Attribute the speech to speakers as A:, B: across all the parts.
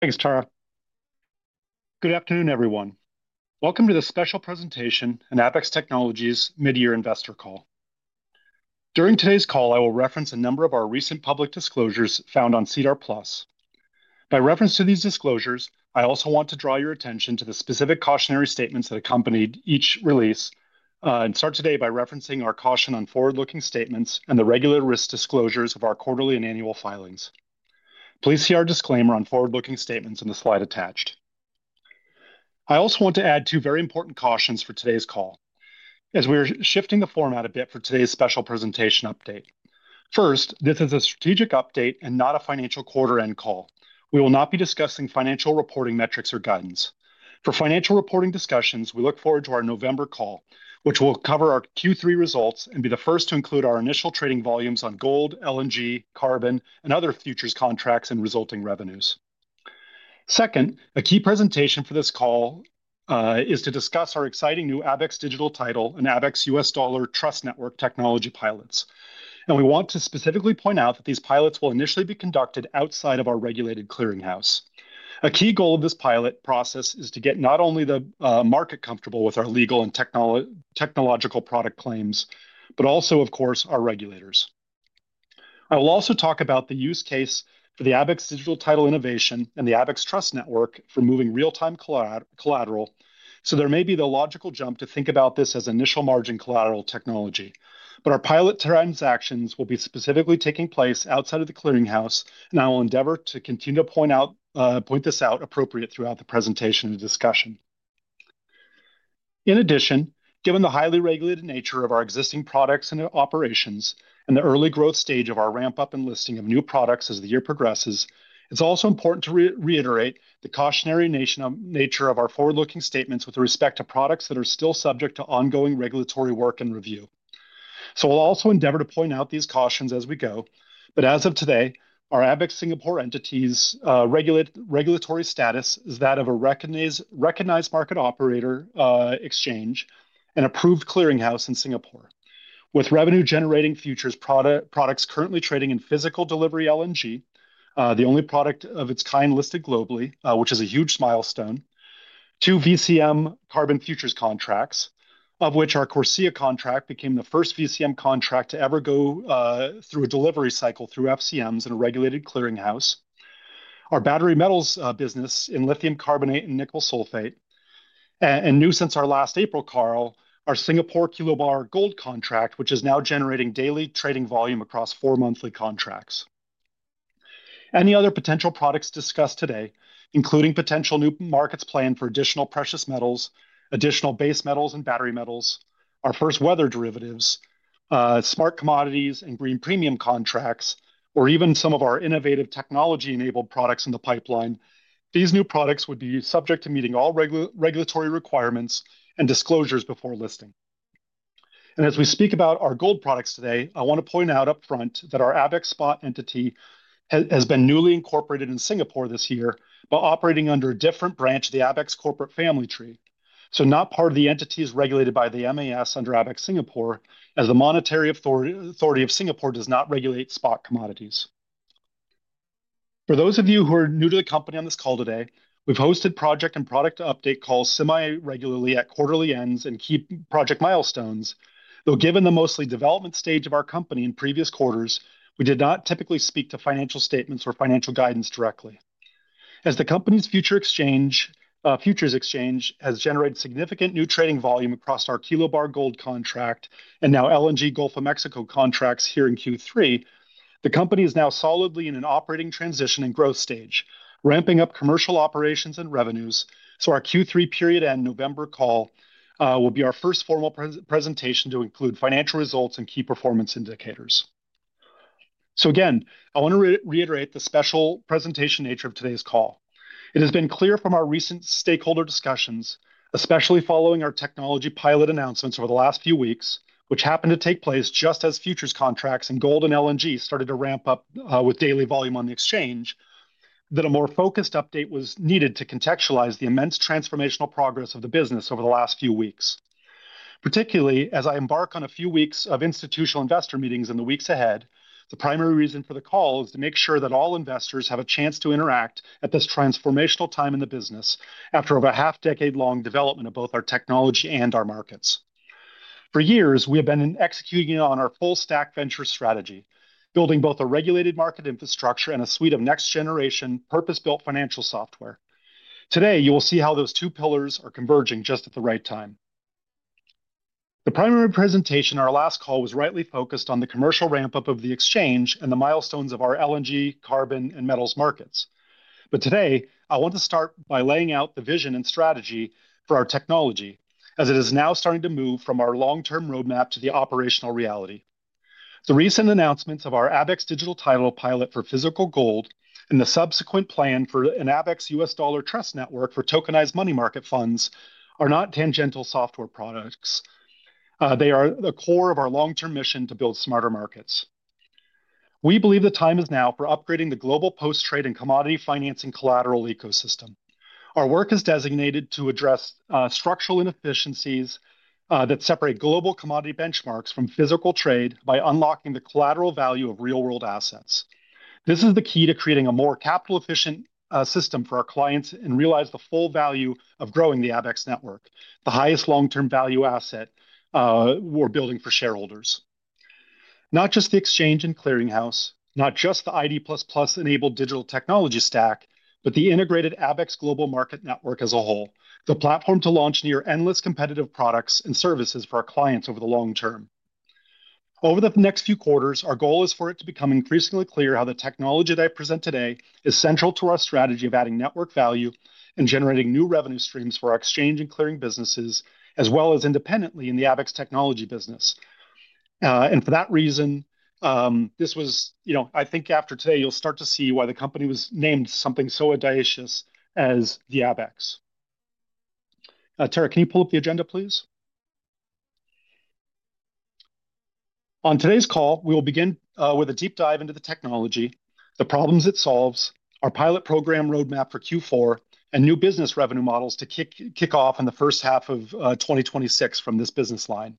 A: Thanks, Tara. Good afternoon, everyone. Welcome to the special presentation on Abaxx Technologies's Mid-year Investor Call. During today's call, I will reference a number of our recent public disclosures found on SEDAR+. By reference to these disclosures, I also want to draw your attention to the specific cautionary statements that accompanied each release, and start today by referencing our caution on forward-looking statements and the regular risk disclosures of our quarterly and annual filings. Please see our disclaimer on forward-looking statements in the slide attached. I also want to add two very important cautions for today's call, as we are shifting the format a bit for today's special presentation update. First, this is a strategic update and not a financial quarter-end call. We will not be discussing financial reporting metrics or guidance. For financial reporting discussions, we look forward to our November call, which will cover our Q3 results and be the first to include our initial trading volumes on gold, LNG, carbon, and other futures contracts and resulting revenues. Second, a key presentation for this call is to discuss our exciting new Abaxx Digital Title and Abaxx US Dollar Trust Network technology pilots. We want to specifically point out that these pilots will initially be conducted outside of our regulated clearinghouse. A key goal of this pilot process is to get not only the market comfortable with our legal and technological product claims, but also, of course, our regulators. I will also talk about the use case for the Abaxx Digital Title innovation and the Abaxx Trust Network for moving real-time collateral, so there may be the logical jump to think about this as initial margin collateral technology. Our pilot transactions will be specifically taking place outside of the clearinghouse, and I will endeavor to continue to point this out appropriately throughout the presentation and discussion. In addition, given the highly regulated nature of our existing products and operations and the early growth stage of our ramp-up and listing of new products as the year progresses, it's also important to reiterate the cautionary nature of our forward-looking statements with respect to products that are still subject to ongoing regulatory work and review. We'll also endeavor to point out these cautions as we go. As of today, our Abaxx Singapore entity's regulatory status is that of a recognized market operator exchange and approved clearinghouse in Singapore, with revenue-generating futures products currently trading in physical delivery LNG, the only product of its kind listed globally, which is a huge milestone, two VCM carbon futures contracts, of which our CORSIA contract became the first VCM contract to ever go through a delivery cycle through FCMs in a regulated clearinghouse, our battery metals business in lithium carbonate and nickel sulfate, and new since our last April call, our Singapore Kilobar gold contract, which is now generating daily trading volume across four monthly contracts. Any other potential products discussed today, including potential new markets planned for additional precious metals, additional base metals and battery metals, our first weather derivatives, smart commodities, and green premium contracts, or even some of our innovative technology-enabled products in the pipeline, these new products would be subject to meeting all regulatory requirements and disclosures before listing. As we speak about our gold products today, I want to point out upfront that our Abaxx Spot entity has been newly incorporated in Singapore this year, but operating under a different branch of the Abaxx corporate family tree, not part of the entities regulated by the MAS under Abaxx Singapore, as the Monetary Authority of Singapore does not regulate spot commodities. For those of you who are new to the company on this call today, we've hosted project and product update calls semi-regularly at quarterly ends and key project milestones. Given the mostly development stage of our company in previous quarters, we did not typically speak to financial statements or financial guidance directly. As the company's futures exchange has generated significant new trading volume across our Kilobar Gold Contract and now LNG Gulf of Mexico contracts here in Q3, the company is now solidly in an operating transition and growth stage, ramping up commercial operations and revenues. Our Q3 period and November call will be our first formal presentation to include financial results and key performance indicators. I want to reiterate the special presentation nature of today's call. It has been clear from our recent stakeholder discussions, especially following our technology pilot announcements over the last few weeks, which happened to take place just as futures contracts in gold and LNG started to ramp up with daily volume on the exchange, that a more focused update was needed to contextualize the immense transformational progress of the business over the last few weeks. Particularly, as I embark on a few weeks of institutional investor meetings in the weeks ahead, the primary reason for the call is to make sure that all investors have a chance to interact at this transformational time in the business after over a half-decade-long development of both our technology and our markets. For years, we have been executing on our full stack venture strategy, building both a regulated market infrastructure and a suite of next-generation purpose-built financial software. Today, you will see how those two pillars are converging just at the right time. The primary presentation in our last call was rightly focused on the commercial ramp-up of the exchange and the milestones of our LNG, carbon, and metals markets. Today, I want to start by laying out the vision and strategy for our technology, as it is now starting to move from our long-term roadmap to the operational reality. The recent announcements of our Abaxx Digital Title pilot for physical gold and the subsequent plan for an Abaxx US Dollar Trust Network for tokenized money market funds are not tangential software products. They are the core of our long-term mission to build smarter markets. We believe the time is now for upgrading the global post-trade and commodity financing collateral ecosystem. Our work is designated to address structural inefficiencies that separate global commodity benchmarks from physical trade by unlocking the collateral value of real-world assets. This is the key to creating a more capital-efficient system for our clients and realize the full value of growing the Abaxx Network, the highest long-term value asset we're building for shareholders. Not just the exchange and clearinghouse, not just the ID++ enabled digital technology stack, but the integrated Abaxx Global Market Network as a whole, the platform to launch near endless competitive products and services for our clients over the long term. Over the next few quarters, our goal is for it to become increasingly clear how the technology that I present today is central to our strategy of adding network value and generating new revenue streams for our exchange and clearing businesses, as well as independently in the Abaxx technology business. For that reason, I think after today you'll start to see why the company was named something so audacious as Abaxx. Tara, can you pull up the agenda, please? On today's call, we will begin with a deep dive into the technology, the problems it solves, our pilot program roadmap for Q4, and new business revenue models to kick off in the first half of 2026 from this business line.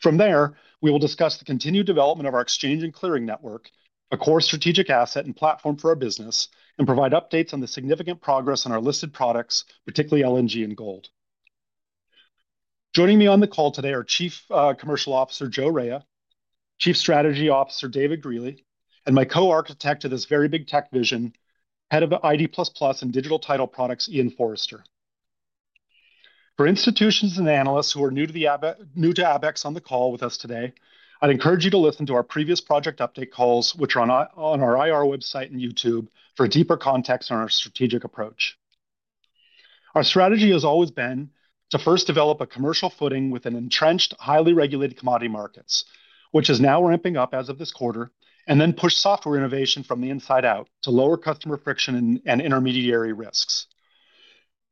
A: From there, we will discuss the continued development of our exchange and clearing network, a core strategic asset and platform for our business, and provide updates on the significant progress in our listed products, particularly LNG and gold. Joining me on the call today are Chief Commercial Officer Joe Raia, Chief Strategy Officer David Greely, and my co-architect of this very big tech vision, Head of ID++ and Digital Title Products, Ian Forrester. For institutions and analysts who are new to Abaxx on the call with us today, I'd encourage you to listen to our previous project update calls, which are on our IR website and YouTube, for deeper context on our strategic approach. Our strategy has always been to first develop a commercial footing with an entrenched, highly regulated commodity markets, which is now ramping up as of this quarter, and then push software innovation from the inside out to lower customer friction and intermediary risks.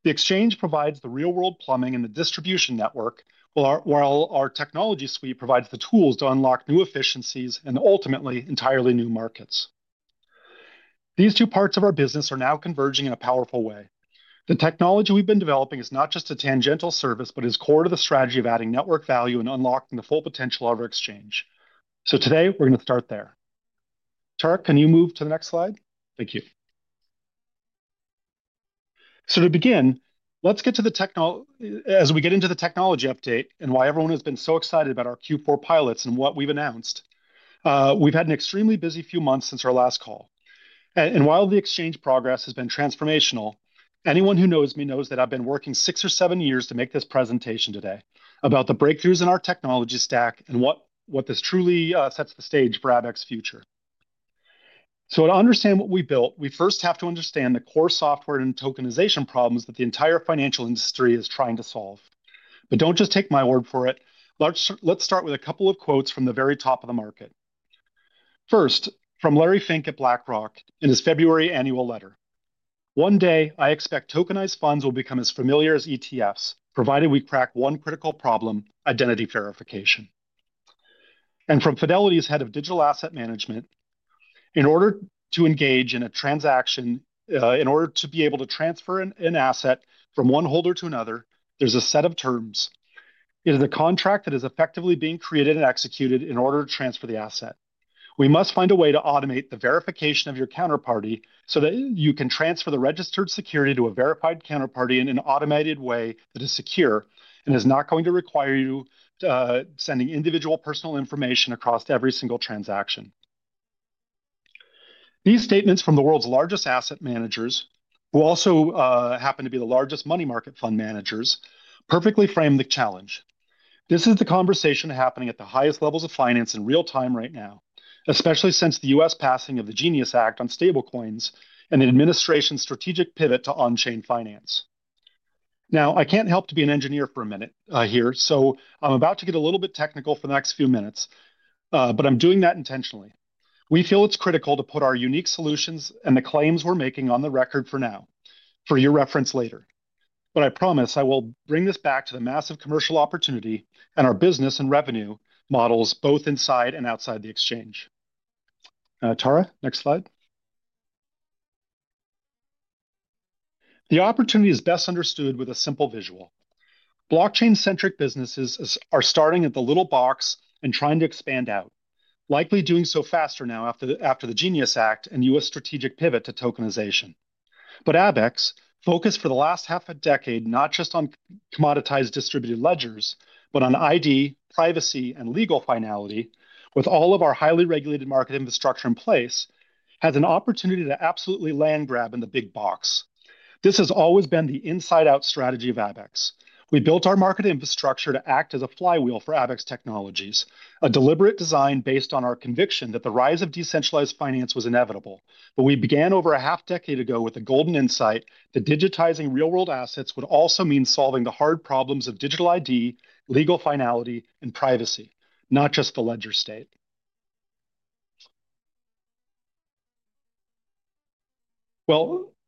A: The exchange provides the real-world plumbing and the distribution network, while our technology suite provides the tools to unlock new efficiencies and ultimately entirely new markets. These two parts of our business are now converging in a powerful way. The technology we've been developing is not just a tangential service, but is core to the strategy of adding network value and unlocking the full potential of our exchange. Today, we're going to start there. Tara, can you move to the next slide? Thank you. To begin, let's get to the technology, as we get into the technology update and why everyone has been so excited about our Q4 pilots and what we've announced. We've had an extremely busy few months since our last call. While the exchange progress has been transformational, anyone who knows me knows that I've been working six or seven years to make this presentation today about the breakthroughs in our technology stack and what this truly sets the stage for Abaxx's future. To understand what we built, we first have to understand the core software and tokenization problems that the entire financial industry is trying to solve. Don't just take my word for it. Let's start with a couple of quotes from the very top of the market. First, from Larry Fink at BlackRock in his February annual letter, "One day, I expect tokenized funds will become as familiar as ETFs, provided we crack one critical problem: identity verification." From Fidelity's Head of Digital Asset Management, "In order to engage in a transaction, in order to be able to transfer an asset from one holder to another, there's a set of terms. It is a contract that is effectively being created and executed in order to transfer the asset. We must find a way to automate the verification of your counterparty so that you can transfer the registered security to a verified counterparty in an automated way that is secure and is not going to require you sending individual personal information across every single transaction." These statements from the world's largest asset managers, who also happen to be the largest money market fund managers, perfectly frame the challenge. This is the conversation happening at the highest levels of finance in real time right now, especially since the U.S. passing of the Genius Act on stablecoins and the administration's strategic pivot to on-chain finance. I can't help to be an engineer for a minute here, so I'm about to get a little bit technical for the next few minutes, but I'm doing that intentionally. We feel it's critical to put our unique solutions and the claims we're making on the record for now, for your reference later. I promise I will bring this back to the massive commercial opportunity and our business and revenue models both inside and outside the exchange. Tara, next slide. The opportunity is best understood with a simple visual. Blockchain-centric businesses are starting at the little box and trying to expand out, likely doing so faster now after the Genius Act and U.S. strategic pivot to tokenization. Abaxx, focused for the last half a decade not just on commoditized distributed ledgers, but on ID, privacy, and legal finality, with all of our highly regulated market infrastructure in place, has an opportunity to absolutely landgrab in the big box. This has always been the inside-out strategy of Abaxx. We built our market infrastructure to act as a flywheel for Abaxx Technologies, a deliberate design based on our conviction that the rise of decentralized finance was inevitable. We began over a half-decade ago with the golden insight that digitizing real-world assets would also mean solving the hard problems of digital ID, legal finality, and privacy, not just the ledger state.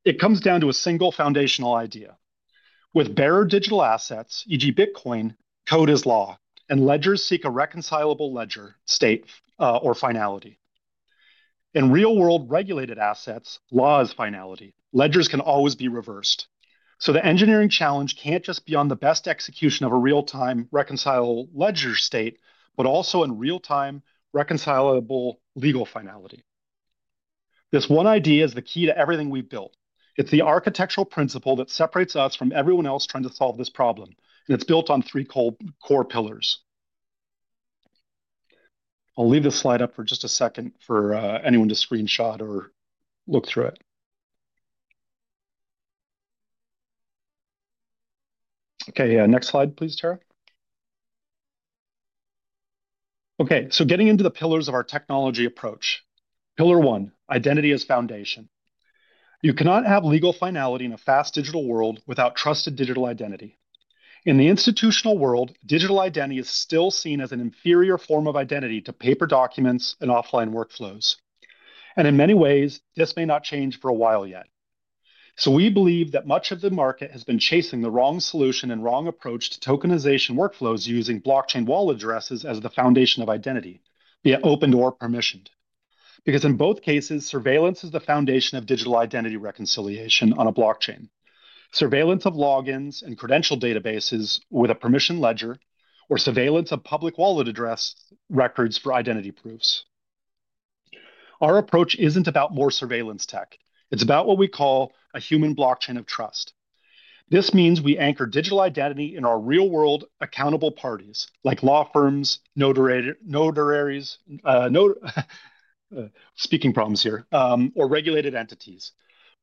A: It comes down to a single foundational idea. With bearer digital assets, e.g., Bitcoin, code is law, and ledgers seek a reconcilable ledger state or finality. In real-world regulated assets, law is finality. Ledgers can always be reversed. The engineering challenge can't just be on the best execution of a real-time reconcilable ledger state, but also in real-time reconcilable legal finality. This one idea is the key to everything we built. It's the architectural principle that separates us from everyone else trying to solve this problem, and it's built on three core pillars. I'll leave this slide up for just a second for anyone to screenshot or look through it. Next slide, please, Tara. Getting into the pillars of our technology approach. Pillar one, identity as foundation. You cannot have legal finality in a fast digital world without trusted digital identity. In the institutional world, digital identity is still seen as an inferior form of identity to paper documents and offline workflows. In many ways, this may not change for a while yet. We believe that much of the market has been chasing the wrong solution and wrong approach to tokenization workflows using blockchain wallet addresses as the foundation of identity, be it opened or permissioned. In both cases, surveillance is the foundation of digital identity reconciliation on a blockchain. Surveillance of logins and credential databases with a permission ledger, or surveillance of public wallet address records for identity proofs. Our approach isn't about more surveillance tech. It's about what we call a human blockchain of trust. This means we anchor digital identity in our real-world accountable parties, like law firms, notaries, or regulated entities.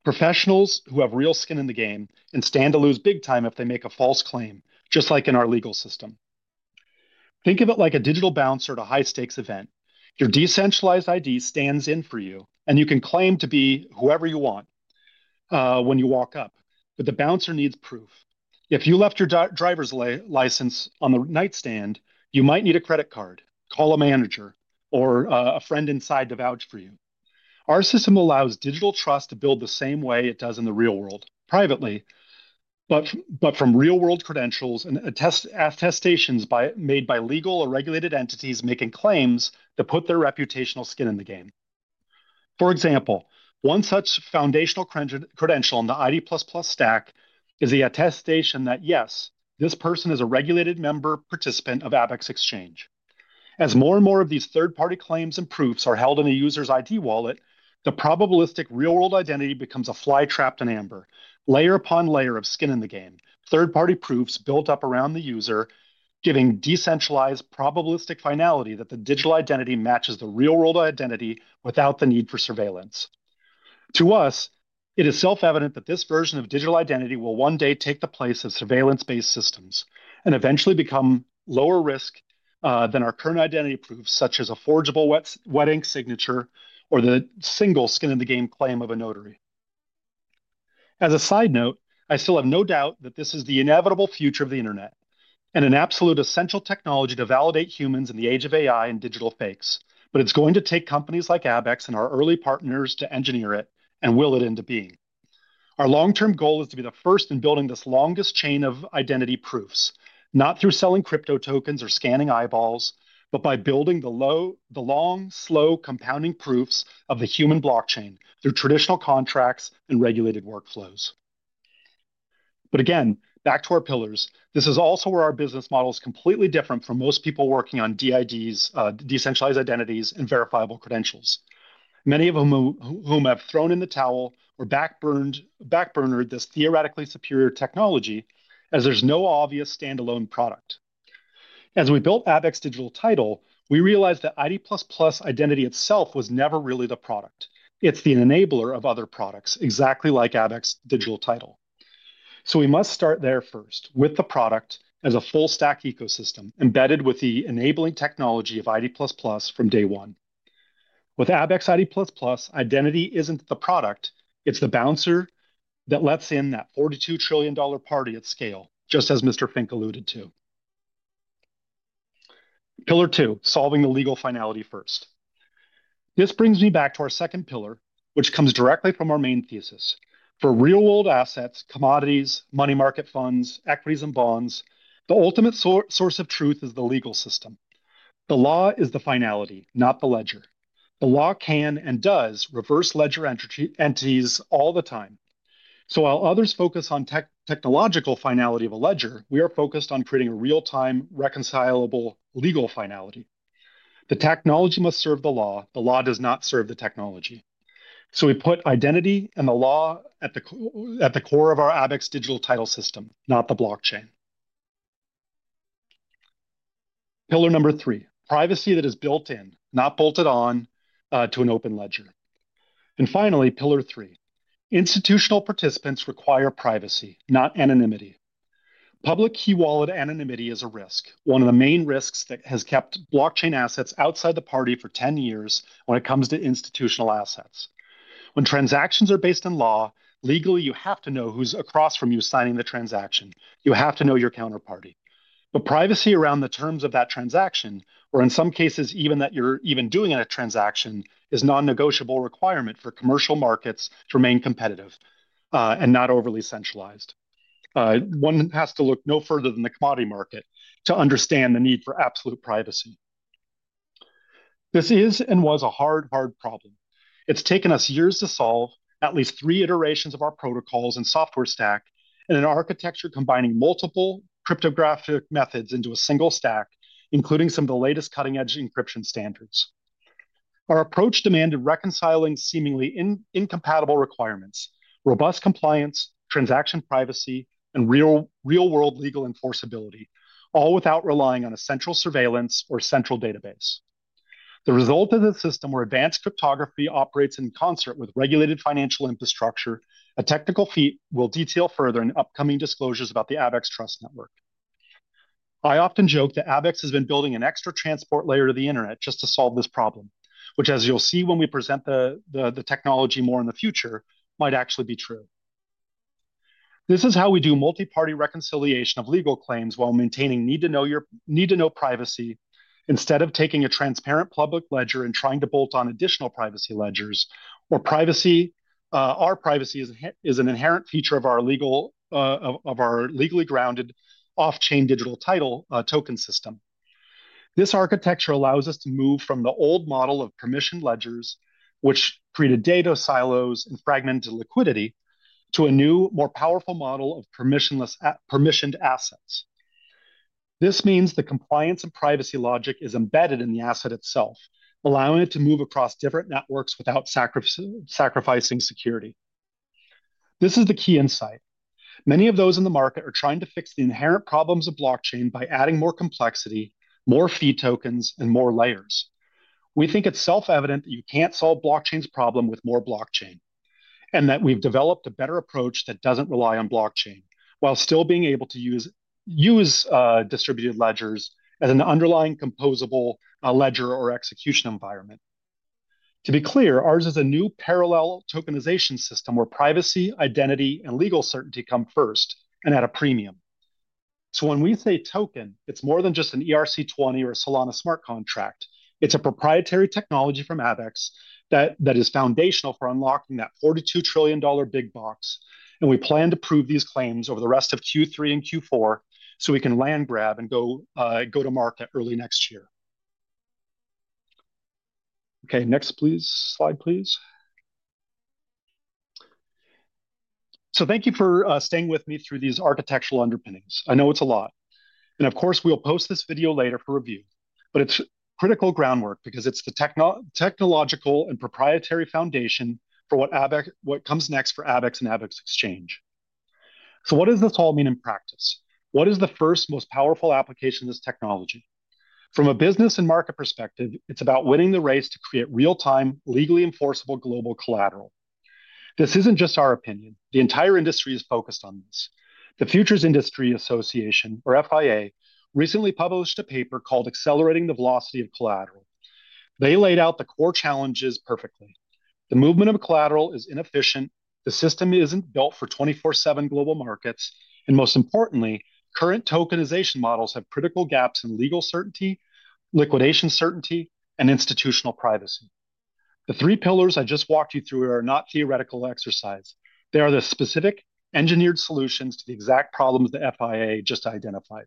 A: Professionals who have real skin in the game and stand to lose big time if they make a false claim, just like in our legal system. Think of it like a digital bouncer at a high-stakes event. Your decentralized ID stands in for you, and you can claim to be whoever you want when you walk up. The bouncer needs proof. If you left your driver's license on the nightstand, you might need a credit card, call a manager, or a friend inside to vouch for you. Our system allows digital trust to build the same way it does in the real world, privately, but from real-world credentials and attestations made by legal or regulated entities making claims that put their reputational skin in the game. For example, one such foundational credential in the ID++ stack is the attestation that, yes, this person is a regulated member participant of Abaxx Exchange. As more and more of these third-party claims and proofs are held in a user's ID wallet, the probabilistic real-world identity becomes a fly trapped in amber, layer upon layer of skin in the game, third-party proofs built up around the user, giving decentralized probabilistic finality that the digital identity matches the real-world identity without the need for surveillance. To us, it is self-evident that this version of digital identity will one day take the place of surveillance-based systems and eventually become lower risk than our current identity proofs, such as a forgeable wet ink signature or the single skin-in-the-game claim of a notary. As a side note, I still have no doubt that this is the inevitable future of the internet and an absolute essential technology to validate humans in the age of AI and digital fakes. It is going to take companies like Abaxx and our early partners to engineer it and will it into being. Our long-term goal is to be the first in building this longest chain of identity proofs, not through selling crypto tokens or scanning eyeballs, but by building the long, slow, compounding proofs of the human blockchain through traditional contracts and regulated workflows. This is also where our business model is completely different from most people working on DIDs, decentralized identities, and verifiable credentials, many of whom have thrown in the towel or back-burnered this theoretically superior technology as there's no obvious standalone product. As we built Abaxx Digital Title, we realized that ID++ identity itself was never really the product. It's the enabler of other products, exactly like Abaxx Digital Title. We must start there first, with the product as a full stack ecosystem embedded with the enabling technology of ID++ from day one. With Abaxx ID++, identity isn't the product. It's the bouncer that lets in that 42 trillion dollar party at scale, just as Mr. Fink alluded to. Pillar two, solving the legal finality first. This brings me back to our second pillar, which comes directly from our main thesis. For real-world assets, commodities, money market funds, equities, and bonds, the ultimate source of truth is the legal system. The law is the finality, not the ledger. The law can and does reverse ledger entities all the time. While others focus on the technological finality of a ledger, we are focused on creating a real-time, reconcilable legal finality. The technology must serve the law. The law does not serve the technology. We put identity and the law at the core of our Abaxx Digital Title system, not the blockchain. Pillar number three, privacy that is built in, not bolted on to an open ledger. Finally, pillar three, institutional participants require privacy, not anonymity. Public key wallet anonymity is a risk, one of the main risks that has kept blockchain assets outside the party for 10 years when it comes to institutional assets. When transactions are based in law, legally, you have to know who's across from you signing the transaction. You have to know your counterparty. Privacy around the terms of that transaction, or in some cases even that you're even doing a transaction, is a non-negotiable requirement for commercial markets to remain competitive and not overly centralized. One has to look no further than the commodity market to understand the need for absolute privacy. This is and was a hard, hard problem. It's taken us years to solve at least three iterations of our protocols and software stack and an architecture combining multiple cryptographic methods into a single stack, including some of the latest cutting-edge encryption standards. Our approach demanded reconciling seemingly incompatible requirements, robust compliance, transaction privacy, and real-world legal enforceability, all without relying on a central surveillance or central database. The result is a system where advanced cryptography operates in concert with regulated financial infrastructure, a technical feat we'll detail further in upcoming disclosures about the Abaxx Trust Network. I often joke that Abaxx has been building an extra transport layer to the internet just to solve this problem, which, as you'll see when we present the technology more in the future, might actually be true. This is how we do multiparty reconciliation of legal claims while maintaining need-to-know privacy instead of taking a transparent public ledger and trying to bolt on additional privacy ledgers, or our privacy is an inherent feature of our legally grounded off-chain digital title token system. This architecture allows us to move from the old model of permissioned ledgers, which created data silos and fragmented liquidity, to a new, more powerful model of permissioned assets. This means the compliance and privacy logic is embedded in the asset itself, allowing it to move across different networks without sacrificing security. This is the key insight. Many of those in the market are trying to fix the inherent problems of blockchain by adding more complexity, more fee tokens, and more layers. We think it's self-evident that you can't solve blockchain's problem with more blockchain, and that we've developed a better approach that doesn't rely on blockchain, while still being able to use distributed ledgers as an underlying composable ledger or execution environment. To be clear, ours is a new parallel tokenization system where privacy, identity, and legal certainty come first and at a premium. When we say token, it's more than just an ERC-20 or a Solana smart contract. It's a proprietary technology from Abaxx that is foundational for unlocking that 42 trillion dollar big box, and we plan to prove these claims over the rest of Q3 and Q4 so we can landgrab and go to market early next year. Next, please, slide, please. Thank you for staying with me through these architectural underpinnings. I know it's a lot. Of course, we'll post this video later for review. It's critical groundwork because it's the technological and proprietary foundation for what comes next for Abaxx and Abaxx Exchange. What does this all mean in practice? What is the first most powerful application of this technology? From a business and market perspective, it's about winning the race to create real-time, legally enforceable global collateral. This isn't just our opinion. The entire industry is focused on this. The Futures Industry Association, or FIA, recently published a paper called "Accelerating the Velocity of Collateral." They laid out the core challenges perfectly. The movement of collateral is inefficient, the system isn't built for 24/7 global markets, and most importantly, current tokenization models have critical gaps in legal certainty, liquidation certainty, and institutional privacy. The three pillars I just walked you through are not a theoretical exercise. They are the specific engineered solutions to the exact problems the FIA just identified.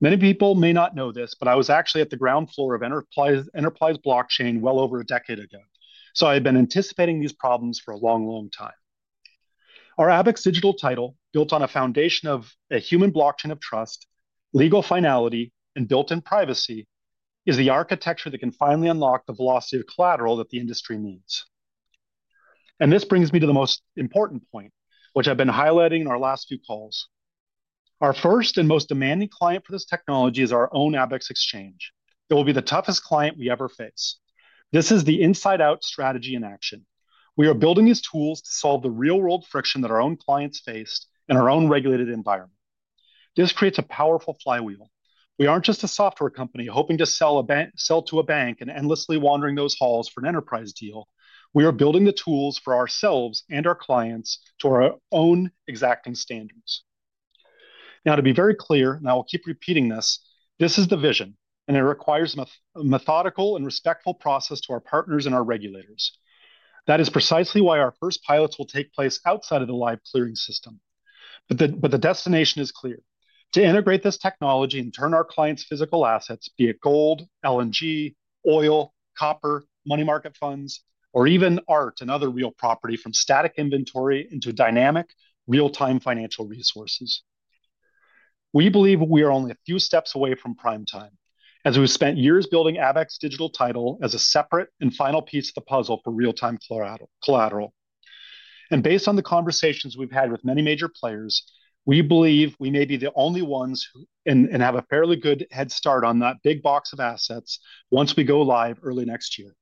A: Many people may not know this, but I was actually at the ground floor of enterprise blockchain well over a decade ago. I had been anticipating these problems for a long, long time. Our Abaxx Digital Title, built on a foundation of a human blockchain of trust, legal finality, and built-in privacy, is the architecture that can finally unlock the velocity of collateral that the industry needs. This brings me to the most important point, which I've been highlighting in our last few calls. Our first and most demanding client for this technology is our own Abaxx Exchange. It will be the toughest client we ever face. This is the inside-out strategy in action. We are building these tools to solve the real-world friction that our own clients face in our own regulated environment. This creates a powerful flywheel. We aren't just a software company hoping to sell to a bank and endlessly wandering those halls for an enterprise deal. We are building the tools for ourselves and our clients to our own exacting standards. Now, to be very clear, and I will keep repeating this, this is the vision, and it requires a methodical and respectful process to our partners and our regulators. That is precisely why our first pilots will take place outside of the live clearing system. The destination is clear. To integrate this technology and turn our clients' physical assets, be it gold, LNG, oil, copper, money market funds, or even art and other real property from static inventory into dynamic, real-time financial resources. We believe we are only a few steps away from prime time, as we've spent years building Abaxx Digital Title as a separate and final piece of the puzzle for real-time collateral. Based on the conversations we've had with many major players, we believe we may be the only ones who have a fairly good head start on that big box of assets once we go live early next year,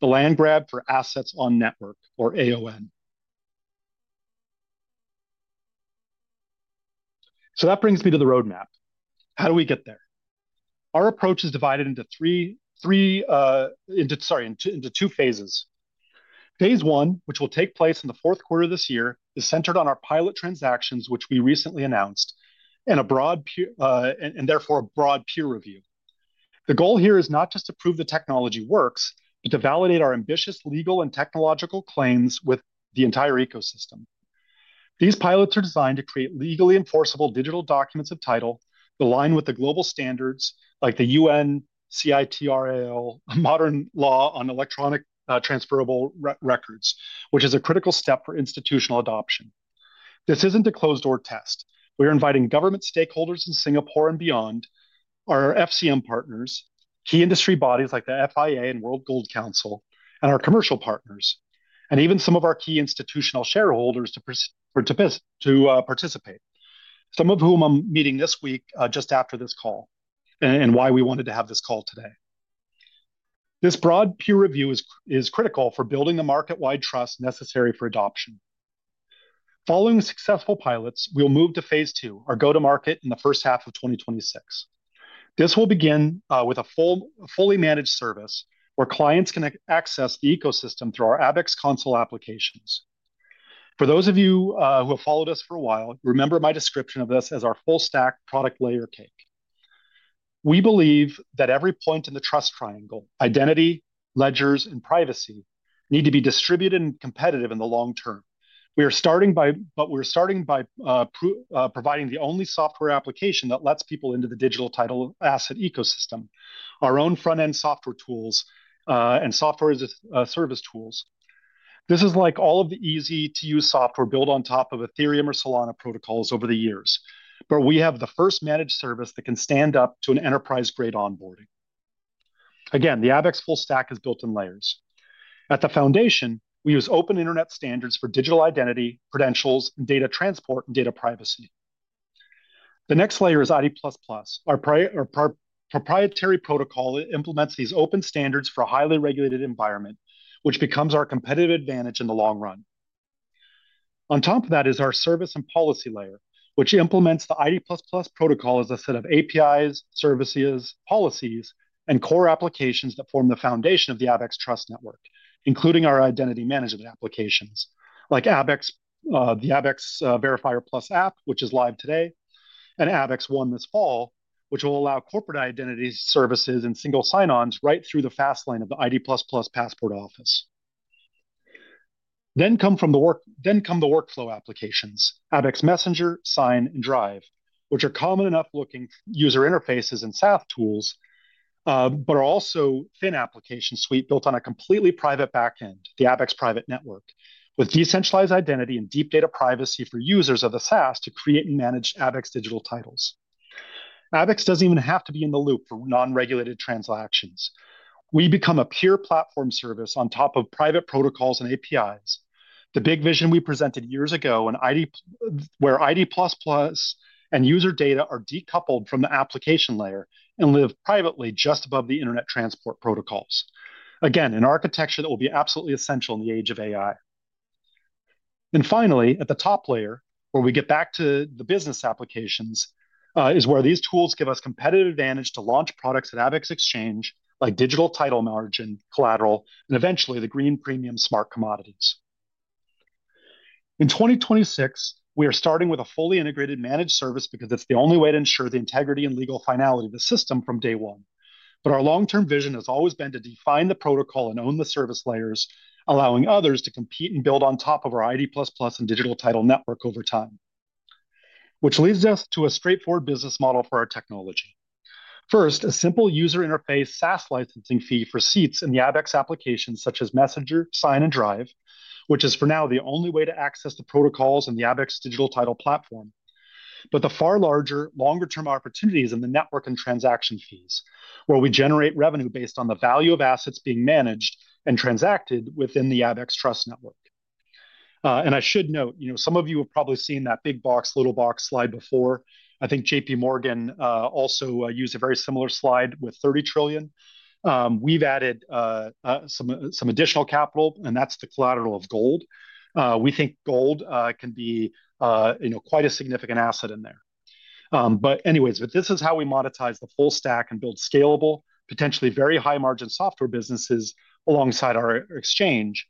A: the landgrab for assets on network, or AON. That brings me to the roadmap. How do we get there? Our approach is divided into two phases. Phase I, which will take place in the fourth quarter of this year, is centered on our pilot transactions, which we recently announced, and therefore a broad peer review. The goal here is not just to prove the technology works, but to validate our ambitious legal and technological claims with the entire ecosystem. These pilots are designed to create legally enforceable digital documents of title that align with the global standards, like the UNCITRAL, a modern law on electronic transferable records, which is a critical step for institutional adoption. This isn't a closed-door test. We are inviting government stakeholders in Singapore and beyond, our FCM partners, key industry bodies like the FIA and World Gold Council, and our commercial partners, and even some of our key institutional shareholders to participate, some of whom I'm meeting this week just after this call, and why we wanted to have this call today. This broad peer review is critical for building the market-wide trust necessary for adoption. Following successful pilots, we'll move to phase II, our go-to-market in the first half of 2026. This will begin with a fully managed service where clients can access the ecosystem through our Abaxx Console applications. For those of you who have followed us for a while, remember my description of this as our full stack product layer cake. We believe that every point in the trust triangle, identity, ledgers, and privacy, need to be distributed and competitive in the long term. We are starting by providing the only software application that lets people into the digital title asset ecosystem, our own front-end software tools and software as a service tools. This is like all of the easy-to-use software built on top of Ethereum or Solana protocols over the years. We have the first managed service that can stand up to an enterprise-grade onboarding. Again, the Abaxx full stack is built in layers. At the foundation, we use open internet standards for digital identity, credentials, data transport, and data privacy. The next layer is ID++. Our proprietary protocol implements these open standards for a highly regulated environment, which becomes our competitive advantage in the long run. On top of that is our service and policy layer, which implements the ID++ protocol as a set of APIs, services, policies, and core applications that form the foundation of the Abaxx Trust Network, including our identity management applications, like the Abaxx Verifier Plus app, which is live today, and Abaxx One this fall, which will allow corporate identity services and single sign-ons right through the fast lane of the ID++ passport office. Next come the workflow applications, Abaxx Messenger, Sign, and Drive, which are common enough-looking user interfaces and SaaS tools, but are also thin application suite built on a completely private backend, the Abaxx Private Network, with decentralized identity and deep data privacy for users of the SaaS to create and manage Abaxx Digital Titles. Abaxx doesn't even have to be in the loop for non-regulated transactions. We become a pure platform service on top of private protocols and APIs. The big vision we presented years ago where ID++ and user data are decoupled from the application layer and live privately just above the internet transport protocols. Again, an architecture that will be absolutely essential in the age of AI. Finally, at the top layer, where we get back to the business applications, is where these tools give us competitive advantage to launch products at Abaxx Exchange, like digital title margin, collateral, and eventually the green premium smart commodities. In 2026, we are starting with a fully integrated managed service because it's the only way to ensure the integrity and legal finality of the system from day one. Our long-term vision has always been to define the protocol and own the service layers, allowing others to compete and build on top of our ID++ and digital title network over time, which leads us to a straightforward business model for our technology. First, a simple user interface SaaS licensing fee for seats in the Abaxx applications, such as Messenger, Sign, and Drive, which is for now the only way to access the protocols in the Abaxx Digital Title platform. The far larger, longer-term opportunity is in the network and transaction fees, where we generate revenue based on the value of assets being managed and transacted within the Abaxx Trust Network. I should note, you know, some of you have probably seen that big box, little box slide before. I think JPMorgan also used a very similar slide with CAD `30 trillion. We've added some additional capital, and that's the collateral of gold. We think gold can be quite a significant asset in there. This is how we monetize the full stack and build scalable, potentially very high-margin software businesses alongside our exchange,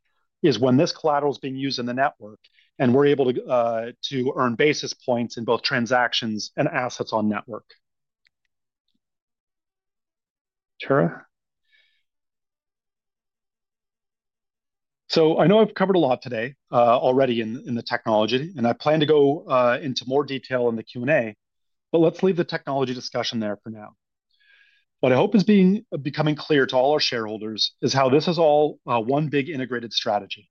A: when this collateral is being used in the network, and we're able to earn basis points in both transactions and assets on network. I know I've covered a lot today already in the technology, and I plan to go into more detail in the Q&A, but let's leave the technology discussion there for now. What I hope is becoming clear to all our shareholders is how this is all one big integrated strategy.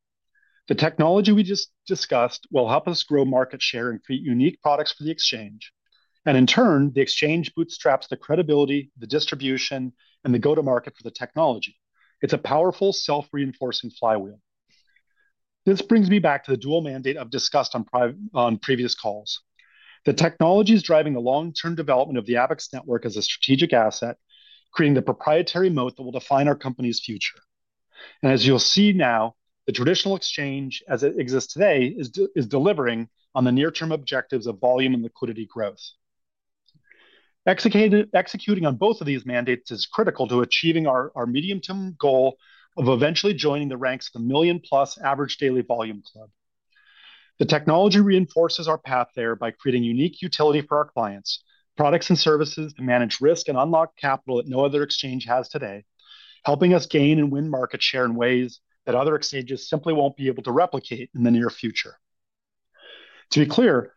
A: The technology we just discussed will help us grow market share and create unique products for the exchange, and in turn, the exchange bootstraps the credibility, the distribution, and the go-to-market for the technology. It's a powerful, self-reinforcing flywheel. This brings me back to the dual mandate I've discussed on previous calls. The technology is driving the long-term development of the Abaxx Network as a strategic asset, creating the proprietary moat that will define our company's future. As you'll see now, the traditional exchange, as it exists today, is delivering on the near-term objectives of volume and liquidity growth. Executing on both of these mandates is critical to achieving our medium-term goal of eventually joining the ranks of a million-plus average daily volume club. The technology reinforces our path there by creating unique utility for our clients, products and services to manage risk and unlock capital that no other exchange has today, helping us gain and win market share in ways that other exchanges simply won't be able to replicate in the near future. To be clear,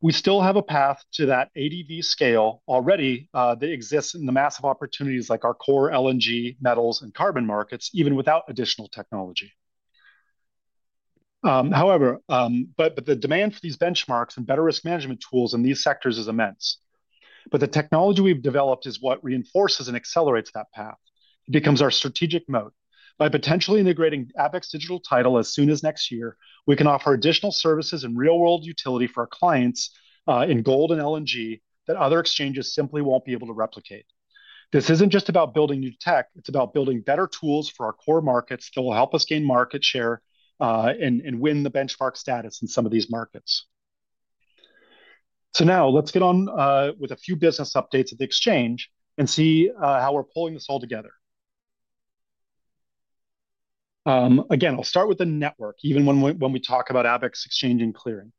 A: we still have a path to that ADB scale already that exists in the massive opportunities like our core LNG, metals, and carbon markets, even without additional technology. The demand for these benchmarks and better risk management tools in these sectors is immense. The technology we've developed is what reinforces and accelerates that path. It becomes our strategic moat. By potentially integrating Abaxx Digital Title as soon as next year, we can offer additional services and real-world utility for our clients in gold and LNG that other exchanges simply won't be able to replicate. This isn't just about building new tech. It's about building better tools for our core markets that will help us gain market share and win the benchmark status in some of these markets. Now, let's get on with a few business updates at the exchange and see how we're pulling this all together. Again, I'll start with the network, even when we talk about Abaxx Exchange and clearing.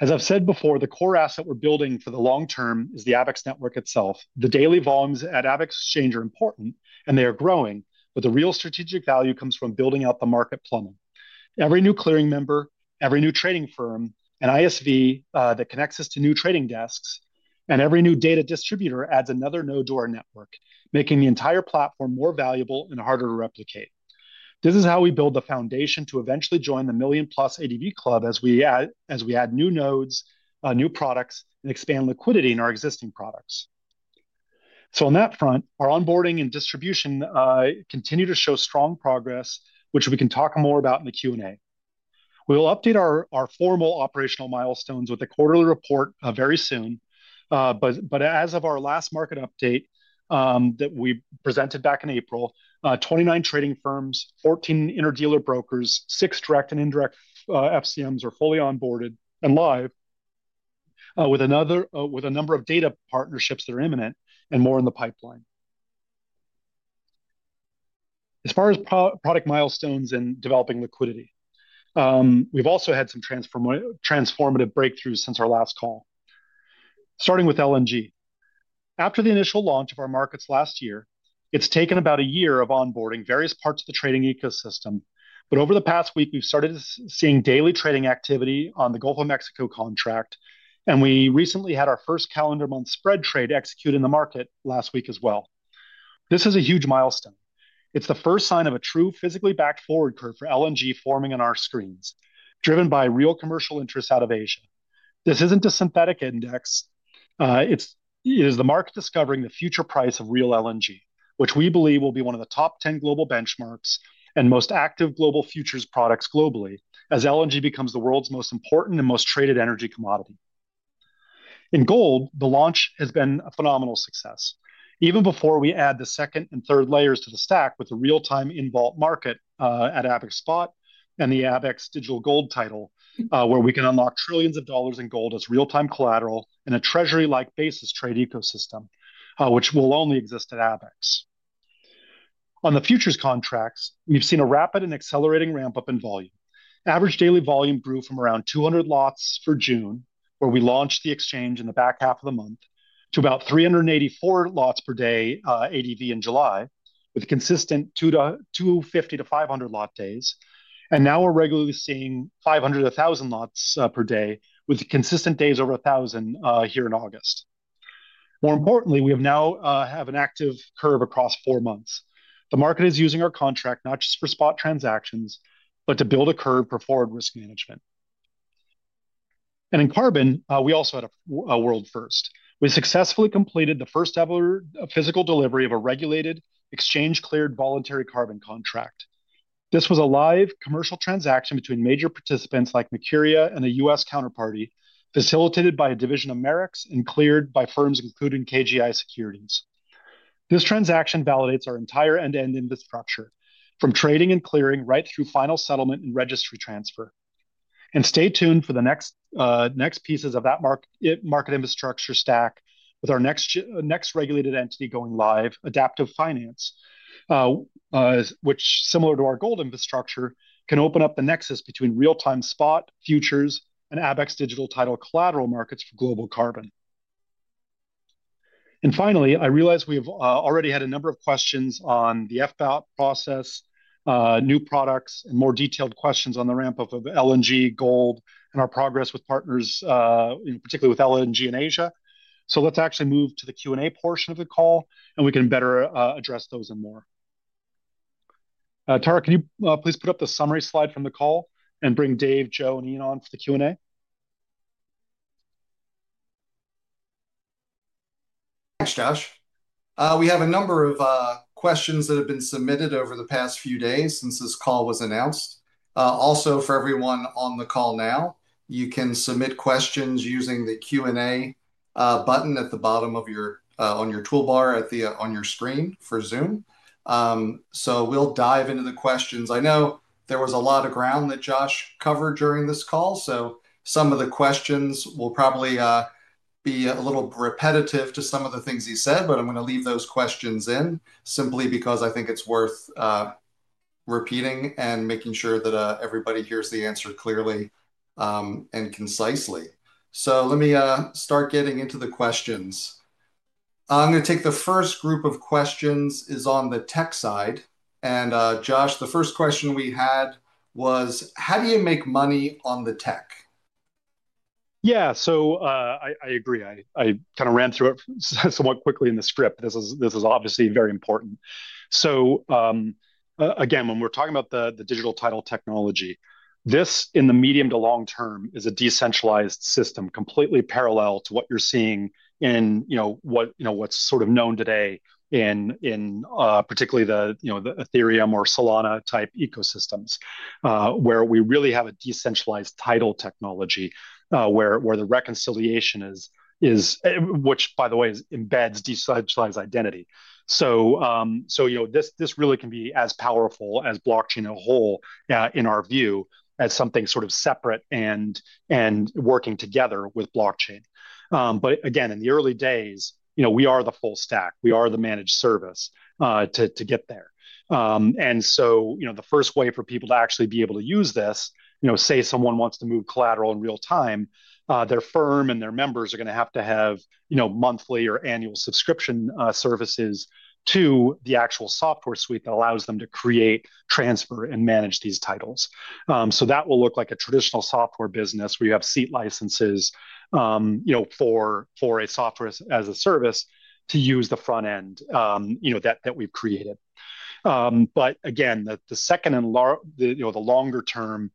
A: As I've said before, the core asset we're building for the long term is the Abaxx Network itself. The daily volumes at Abaxx Exchange are important, and they are growing, but the real strategic value comes from building out the market plumbing. Every new clearing member, every new trading firm, an ISV that connects us to new trading desks, and every new data distributor adds another node to our network, making the entire platform more valuable and harder to replicate. This is how we build the foundation to eventually join the million-plus ADB club as we add new nodes, new products, and expand liquidity in our existing products. On that front, our onboarding and distribution continue to show strong progress, which we can talk more about in the Q&A. We will update our formal operational milestones with a quarterly report very soon. As of our last market update that we presented back in April, 29 trading firms, 14 inter-dealer brokers, six direct and indirect FCMs are fully onboarded and live with a number of data partnerships that are imminent and more in the pipeline. As far as product milestones and developing liquidity, we've also had some transformative breakthroughs since our last call, starting with LNG. After the initial launch of our markets last year, it's taken about a year of onboarding various parts of the trading ecosystem. Over the past week, we've started seeing daily trading activity on the Gulf of Mexico contract, and we recently had our first calendar month spread trade executed in the market last week as well. This is a huge milestone. It's the first sign of a true physically backed forward curve for LNG forming on our screens, driven by real commercial interest out of Asia. This isn't a synthetic index. It is the market discovering the future price of real LNG, which we believe will be one of the top 10 global benchmarks and most active global futures products globally, as LNG becomes the world's most important and most traded energy commodity. In gold, the launch has been a phenomenal success. Even before we add the second and third layers to the stack with the real-time in-vault market at Abaxx Spot and the Abaxx Digital Gold Title, where we can unlock trillions of dollars in gold as real-time collateral in a treasury-like basis trade ecosystem, which will only exist at Abaxx. On the futures contracts, we've seen a rapid and accelerating ramp-up in volume. Average daily volume grew from around 200 lots for June, where we launched the exchange in the back half of the month, to about 384 lots per day ADV in July, with consistent 250 to 500 lot days. Now we're regularly seeing 500 to 1,000 lots per day, with consistent days over 1,000 here in August. More importantly, we have now an active curve across four months. The market is using our contract not just for spot transactions, but to build a curve for forward risk management. In carbon, we also had a world first. We successfully completed the first ever physical delivery of a regulated exchange-cleared voluntary carbon contract. This was a live commercial transaction between major participants like Nokeria and a U.S. counterparty, facilitated by a division of Merrick's and cleared by firms including KGI Securities. This transaction validates our entire end-to-end infrastructure, from trading and clearing right through final settlement and registry transfer. Stay tuned for the next pieces of that market infrastructure stack with our next regulated entity going live, Adaptive Finance, which, similar to our gold infrastructure, can open up the nexus between real-time spot, futures, and Abaxx Digital Title collateral markets for global carbon. Finally, I realize we have already had a number of questions on the FBAT process, new products, and more detailed questions on the ramp-up of LNG, gold, and our progress with partners, particularly with LNG in Asia. Let's actually move to the Q&A portion of the call, and we can better address those and more. Tara, can you please put up the summary slide from the call and bring Dave, Joe, and Ian on for the Q&A?
B: Thanks, Josh. We have a number of questions that have been submitted over the past few days since this call was announced. Also, for everyone on the call now, you can submit questions using the Q&A button at the bottom of your toolbar on your screen for Zoom. We'll dive into the questions. I know there was a lot of ground that Josh covered during this call, so some of the questions will probably be a little repetitive to some of the things he said. I'm going to leave those questions in simply because I think it's worth repeating and making sure that everybody hears the answer clearly and concisely. Let me start getting into the questions. I'm going to take the first group of questions on the tech side. Josh, the first question we had was, how do you make money on the tech?
A: Yeah, I agree. I kind of ran through it somewhat quickly in the script. This is obviously very important. Again, when we're talking about the digital title technology, this, in the medium to long term, is a decentralized system completely parallel to what you're seeing in what's sort of known today in particularly the Ethereum or Solana type ecosystems, where we really have a decentralized title technology where the reconciliation is, which, by the way, embeds decentralized identity. You know this really can be as powerful as blockchain as a whole, in our view, as something sort of separate and working together with blockchain. In the early days, we are the full stack. We are the managed service to get there. The first way for people to actually be able to use this, say someone wants to move collateral in real time, their firm and their members are going to have to have monthly or annual subscription services to the actual software suite that allows them to create, transfer, and manage these titles. That will look like a traditional software business where you have seat licenses for a software as a service to use the front end that we've created. The second and the longer-term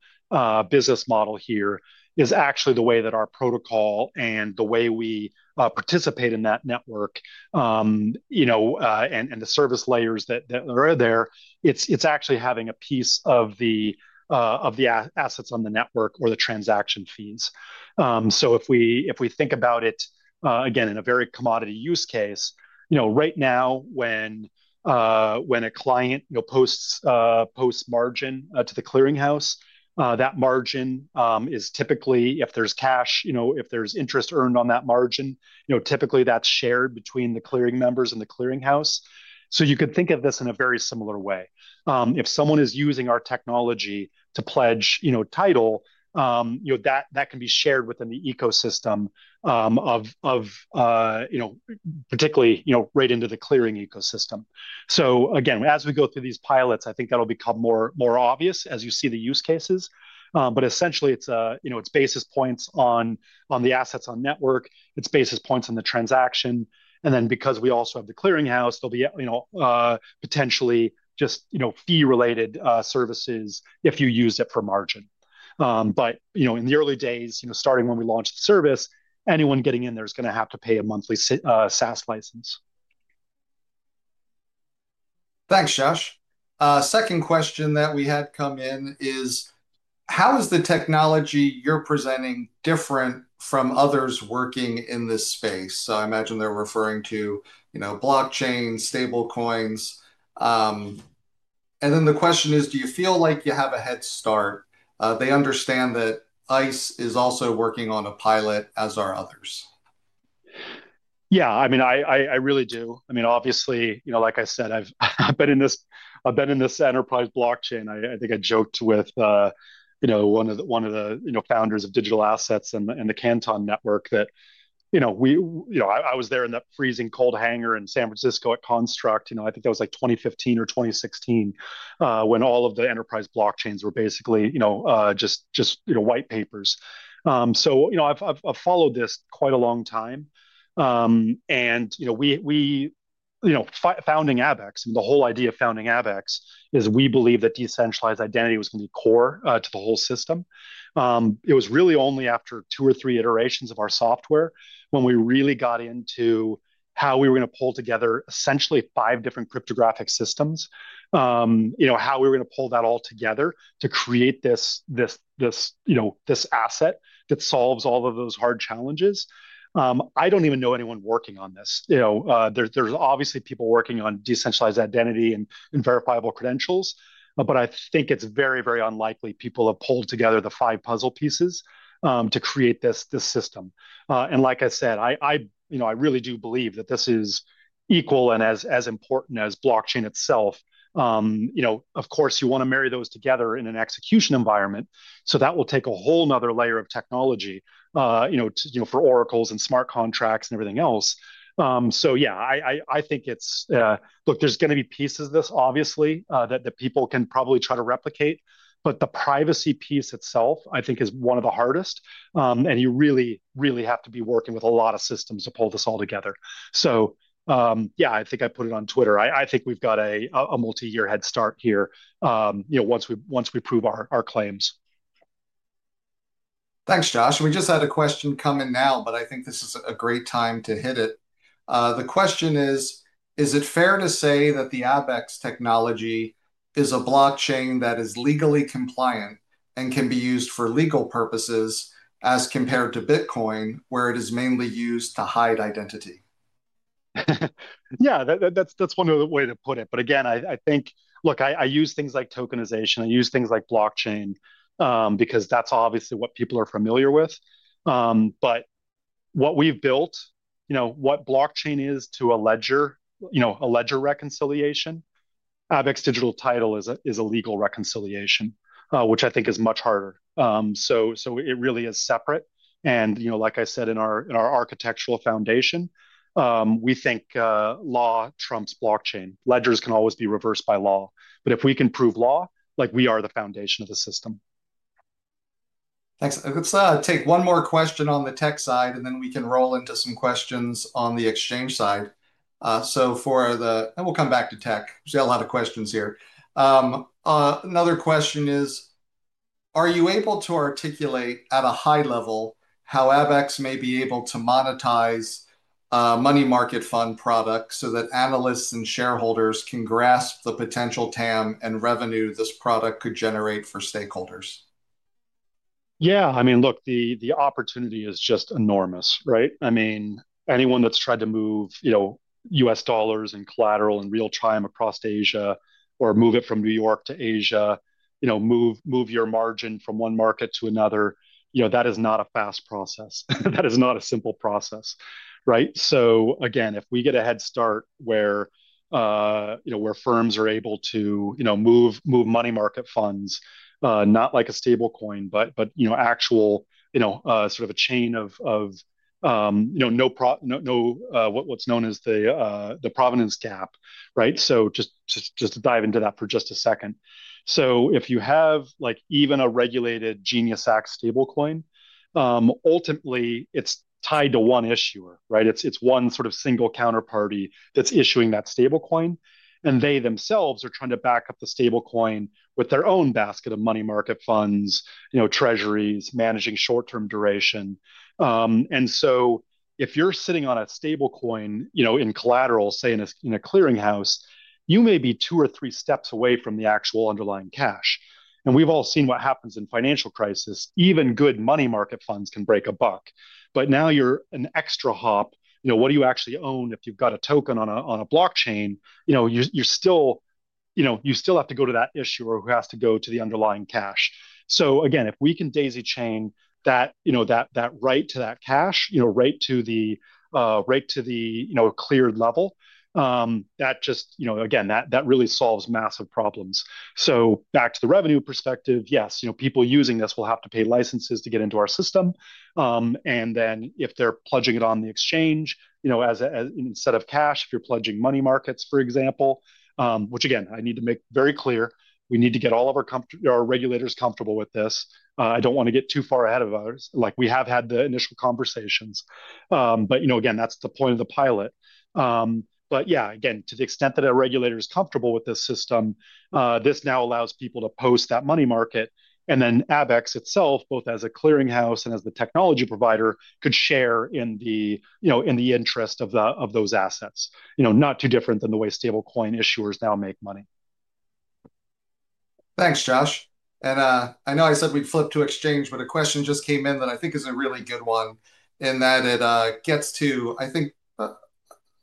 A: business model here is actually the way that our protocol and the way we participate in that network and the service layers that are there, it's actually having a piece of the assets on network or the transaction fees. If we think about it, in a very commodity use case, right now, when a client posts margin to the clearinghouse, that margin is typically, if there's cash, if there's interest earned on that margin, typically that's shared between the clearing members and the clearinghouse. You could think of this in a very similar way. If someone is using our technology to pledge title, that can be shared within the ecosystem, particularly right into the clearing ecosystem. As we go through these pilots, I think that'll become more obvious as you see the use cases. Essentially, it's basis points on the assets on network, it's basis points on the transaction, and then because we also have the clearinghouse, there'll be potentially just fee-related services if you use it for margin. In the early days, starting when we launch the service, anyone getting in there is going to have to pay a monthly SaaS license.
B: Thanks, Josh. Second question that we had come in is, how is the technology you're presenting different from others working in this space? I imagine they're referring to blockchain, stable coins. The question is, do you feel like you have a head start? They understand that ICE is also working on a pilot as are others.
A: Yeah, I mean, I really do. Obviously, like I said, I've been in this enterprise blockchain. I think I joked with one of the founders of Digital Assets and the Canton Network that I was there in that freezing cold hangar in San Francisco at Construct. I think that was like 2015 or 2016 when all of the enterprise blockchains were basically just white papers. I've followed this quite a long time. Founding Abaxx, the whole idea of founding Abaxx is we believe that decentralized identity was going to be core to the whole system. It was really only after two or three iterations of our software when we really got into how we were going to pull together essentially five different cryptographic systems, how we were going to pull that all together to create this asset that solves all of those hard challenges. I don't even know anyone working on this. There's obviously people working on decentralized identity and verifiable credentials, but I think it's very, very unlikely people have pulled together the five puzzle pieces to create this system. Like I said, I really do believe that this is equal and as important as blockchain itself. Of course, you want to marry those together in an execution environment. That will take a whole other layer of technology for oracles and smart contracts and everything else. I think there's going to be pieces of this, obviously, that people can probably try to replicate. The privacy piece itself, I think, is one of the hardest. You really, really have to be working with a lot of systems to pull this all together. I think I put it on Twitter. I think we've got a multi-year head start here once we prove our claims.
B: Thanks, Josh. We just had a question come in now, but I think this is a great time to hit it. The question is, is it fair to say that the Abaxx technology is a blockchain that is legally compliant and can be used for legal purposes as compared to Bitcoin, where it is mainly used to hide identity?
A: Yeah, that's one way to put it. Again, I think, look, I use things like tokenization. I use things like blockchain because that's obviously what people are familiar with. What we've built, what blockchain is to a ledger reconciliation, Abaxx Digital Title is a legal reconciliation, which I think is much harder. It really is separate. Like I said, in our architectural foundation, we think law trumps blockchain. Ledgers can always be reversed by law. If we can prove law, like we are the foundation of the system.
B: Thanks. Let's take one more question on the tech side, and then we can roll into some questions on the exchange side. For the, and we'll come back to tech. We've got a lot of questions here. Another question is, are you able to articulate at a high level how Abaxx may be able to monetize money market fund products so that analysts and shareholders can grasp the potential TAM and revenue this product could generate for stakeholders?
A: Yeah, I mean, look, the opportunity is just enormous, right? I mean, anyone that's tried to move US dollars and collateral in real time across Asia, or move it from New York to Asia, move your margin from one market to another, that is not a fast process. That is not a simple process, right? If we get a head start where firms are able to move money market funds, not like a stablecoin, but actual sort of a chain of what's known as the provenance gap, right? Just to dive into that for just a second. If you have even a regulated GENSX stablecoin, ultimately, it's tied to one issuer, right? It's one sort of single counterparty that's issuing that stablecoin. They themselves are trying to back up the stablecoin with their own basket of money market funds, treasuries, managing short-term duration. If you're sitting on a stablecoin in collateral, say in a clearinghouse, you may be two or three steps away from the actual underlying cash. We've all seen what happens in financial crises. Even good money market funds can break a buck. Now you're an extra hop. What do you actually own if you've got a token on a blockchain? You still have to go to that issuer who has to go to the underlying cash. If we can daisy chain that right to that cash, right to the cleared level, that really solves massive problems. Back to the revenue perspective, yes, people using this will have to pay licenses to get into our system. If they're pledging it on the exchange, instead of cash, if you're pledging money markets, for example, which I need to make very clear, we need to get all of our regulators comfortable with this. I don't want to get too far ahead of others, like we have had the initial conversations. That's the point of the pilot. To the extent that a regulator is comfortable with this system, this now allows people to post that money market. Abaxx itself, both as a clearinghouse and as the technology provider, could share in the interest of those assets. Not too different than the way stablecoin issuers now make money.
B: Thanks, Josh. I know I said we'd flip to exchange, but a question just came in that I think is a really good one, in that it gets to, I think,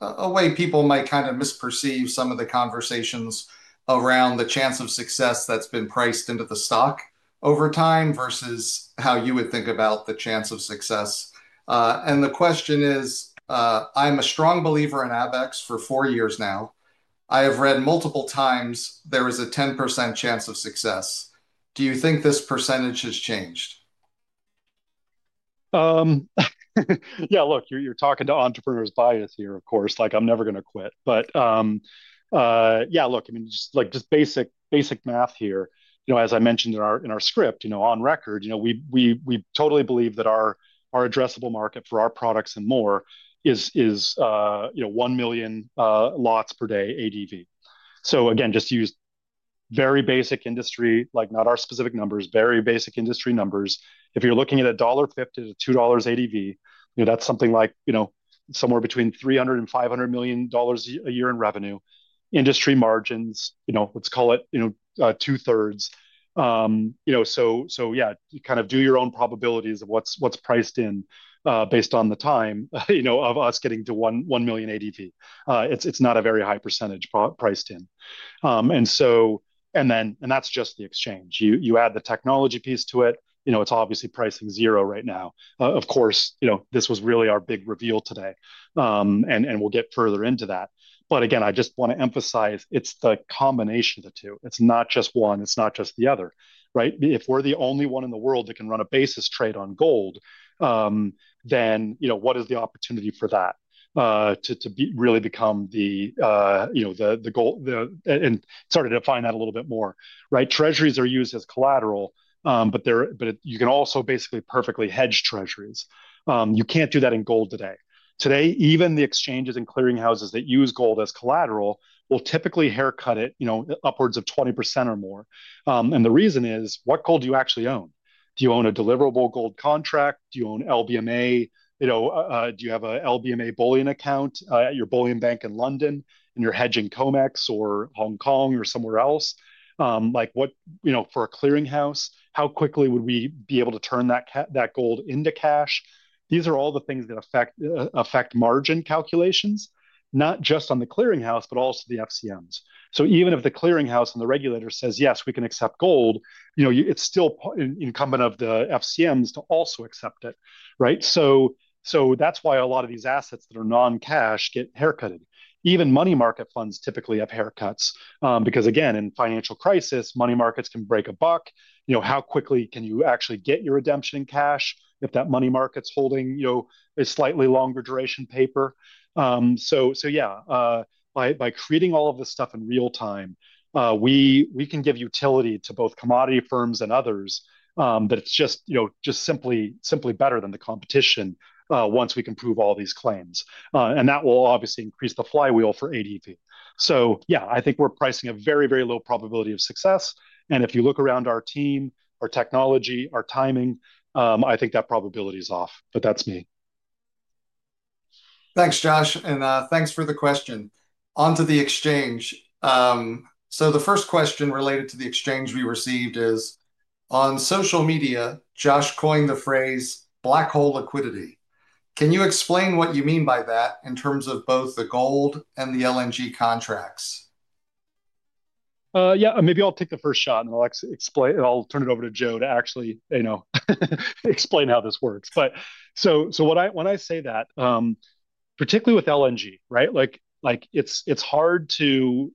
B: a way people might kind of misperceive some of the conversations around the chance of success that's been priced into the stock over time versus how you would think about the chance of success. The question is, I'm a strong believer in Abaxx for four years now. I have read multiple times there is a 10% chance of success. Do you think this percentage has changed?
A: Yeah, look, you're talking to entrepreneurs' bias here, of course. Like I'm never going to quit. Yeah, look, I mean, just basic math here. As I mentioned in our script, on record, we totally believe that our addressable market for our products and more is one million lots per day ADV. Again, just use very basic industry, like not our specific numbers, very basic industry numbers. If you're looking at a dollar 1.50 to 2 dollars ADV, that's something like somewhere between $300 million and $500 million a year in revenue. Industry margins, let's call it two-thirds. You kind of do your own probabilities of what's priced in based on the time of us getting to one million ADV. It's not a very high percentage priced in. That's just the exchange. You add the technology piece to it. It's obviously priced in zero right now. Of course, this was really our big reveal today. We'll get further into that. Again, I just want to emphasize it's the combination of the two. It's not just one. It's not just the other. If we're the only one in the world that can run a basis trade on gold, then what is the opportunity for that to really become the gold? Sorry to define that a little bit more. Treasuries are used as collateral, but you can also basically perfectly hedge treasuries. You can't do that in gold today. Today, even the exchanges and clearinghouses that use gold as collateral will typically haircut it upwards of 20% or more. The reason is, what gold do you actually own? Do you own a deliverable gold contract? Do you own LBMA? Do you have an LBMA bullion account at your bullion bank in London? You're hedging COMEX or Hong Kong or somewhere else? For a clearinghouse, how quickly would we be able to turn that gold into cash? These are all the things that affect margin calculations, not just on the clearinghouse, but also the FCMs. Even if the clearinghouse and the regulator says, yes, we can accept gold, it's still incumbent of the FCMs to also accept it. That's why a lot of these assets that are non-cash get haircutted. Even money market funds typically have haircuts, because in financial crisis, money markets can break a buck. How quickly can you actually get your redemption in cash if that money market's holding a slightly longer duration paper? By creating all of this stuff in real time, we can give utility to both commodity firms and others, but it's just simply better than the competition once we can prove all these claims. That will obviously increase the flywheel for ADV. I think we're pricing a very, very low probability of success. If you look around our team, our technology, our timing, I think that probability is off. That's me.
B: Thanks, Josh. Thanks for the question. Onto the exchange. The first question related to the exchange we received is, on social media, Josh coined the phrase black hole liquidity. Can you explain what you mean by that in terms of both the gold and the LNG contracts?
A: Yeah, maybe I'll take the first shot and I'll turn it over to Joe to actually explain how this works. When I say that, particularly with LNG, it's hard to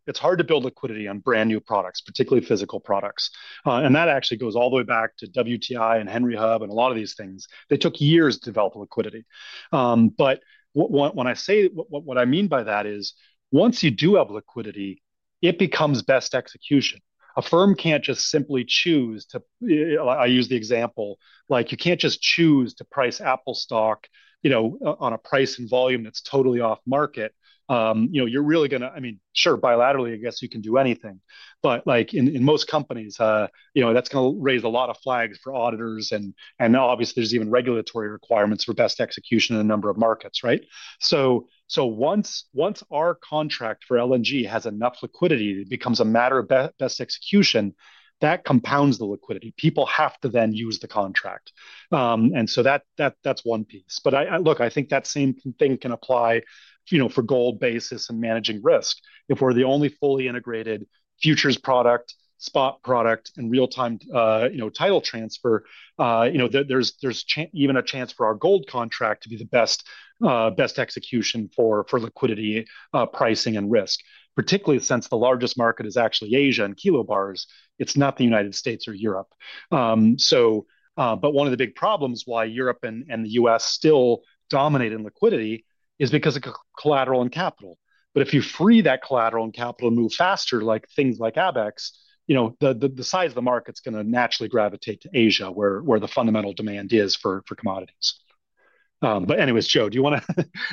A: build liquidity on brand new products, particularly physical products. That actually goes all the way back to WTI and Henry Hub and a lot of these things. They took years to develop liquidity. What I mean by that is, once you do have liquidity, it becomes best execution. A firm can't just simply choose to, I use the example, like you can't just choose to price Apple stock on a price and volume that's totally off market. You're really going to, I mean, sure, bilaterally, I guess you can do anything. In most companies, that's going to raise a lot of flags for auditors. Obviously, there's even regulatory requirements for best execution in a number of markets. Once our contract for LNG has enough liquidity, it becomes a matter of best execution. That compounds the liquidity. People have to then use the contract. That's one piece. I think that same thing can apply for gold basis and managing risk. If we're the only fully integrated futures product, spot product, and real-time title transfer, there's even a chance for our gold contract to be the best execution for liquidity pricing and risk, particularly since the largest market is actually Asia and Kilobars. It's not the United States or Europe. One of the big problems why Europe and the U.S. still dominate in liquidity is because of collateral and capital. If you free that collateral and capital and move faster, like things like Abaxx, the size of the market's going to naturally gravitate to Asia, where the fundamental demand is for commodities. Anyways, Joe, do you want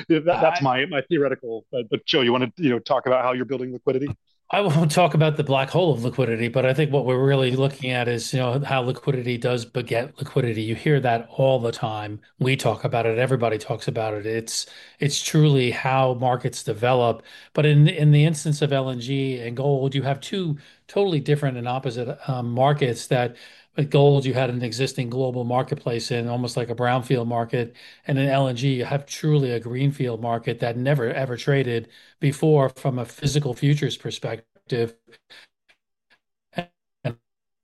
A: to, that's my theoretical, but Joe, do you want to talk about how you're building liquidity?
C: I will talk about the black hole of liquidity, but I think what we're really looking at is how liquidity does beget liquidity. You hear that all the time. We talk about it. Everybody talks about it. It's truly how markets develop. In the instance of LNG and gold, you have two totally different and opposite markets that, with gold, you had an existing global marketplace in, almost like a brownfield market. In LNG, you have truly a greenfield market that never ever traded before from a physical futures perspective.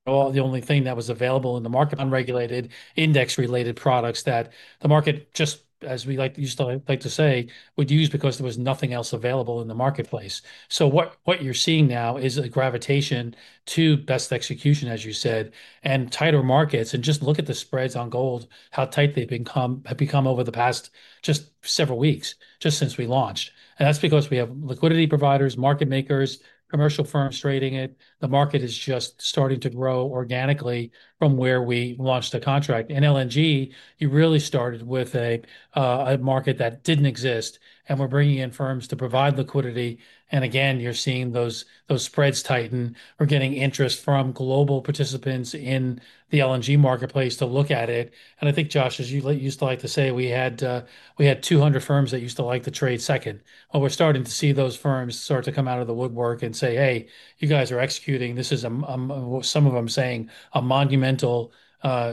C: The only thing that was available in the market, unregulated index-related products that the market just, as we used to like to say, would use because there was nothing else available in the marketplace. What you're seeing now is a gravitation to best execution, as you said, and tighter markets. Just look at the spreads on gold, how tight they've become over the past just several weeks, just since we launched. That's because we have liquidity providers, market makers, commercial firms trading it. The market is just starting to grow organically from where we launched the contract. In LNG, you really started with a market that didn't exist. We're bringing in firms to provide liquidity. Again, you're seeing those spreads tighten. We're getting interest from global participants in the LNG marketplace to look at it. I think, Josh, as you used to like to say, we had 200 firms that used to like to trade second. We're starting to see those firms start to come out of the woodwork and say, hey, you guys are executing. This is, some of them saying, a monumental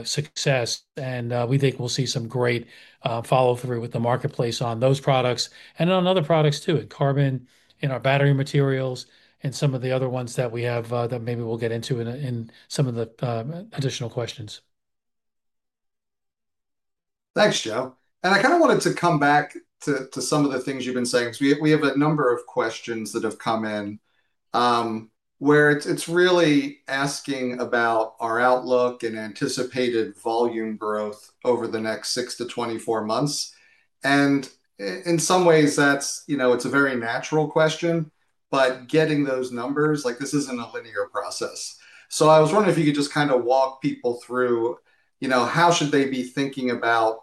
C: success. We think we'll see some great follow-through with the marketplace on those products. On other products too, in carbon, in our battery materials, and some of the other ones that we have that maybe we'll get into in some of the additional questions.
B: Thanks, Joe. I kind of wanted to come back to some of the things you've been saying. We have a number of questions that have come in where it's really asking about our outlook and anticipated volume growth over the next six to 24 months. In some ways, it's a very natural question, but getting those numbers, like this isn't a linear process. I was wondering if you could just kind of walk people through, you know, how should they be thinking about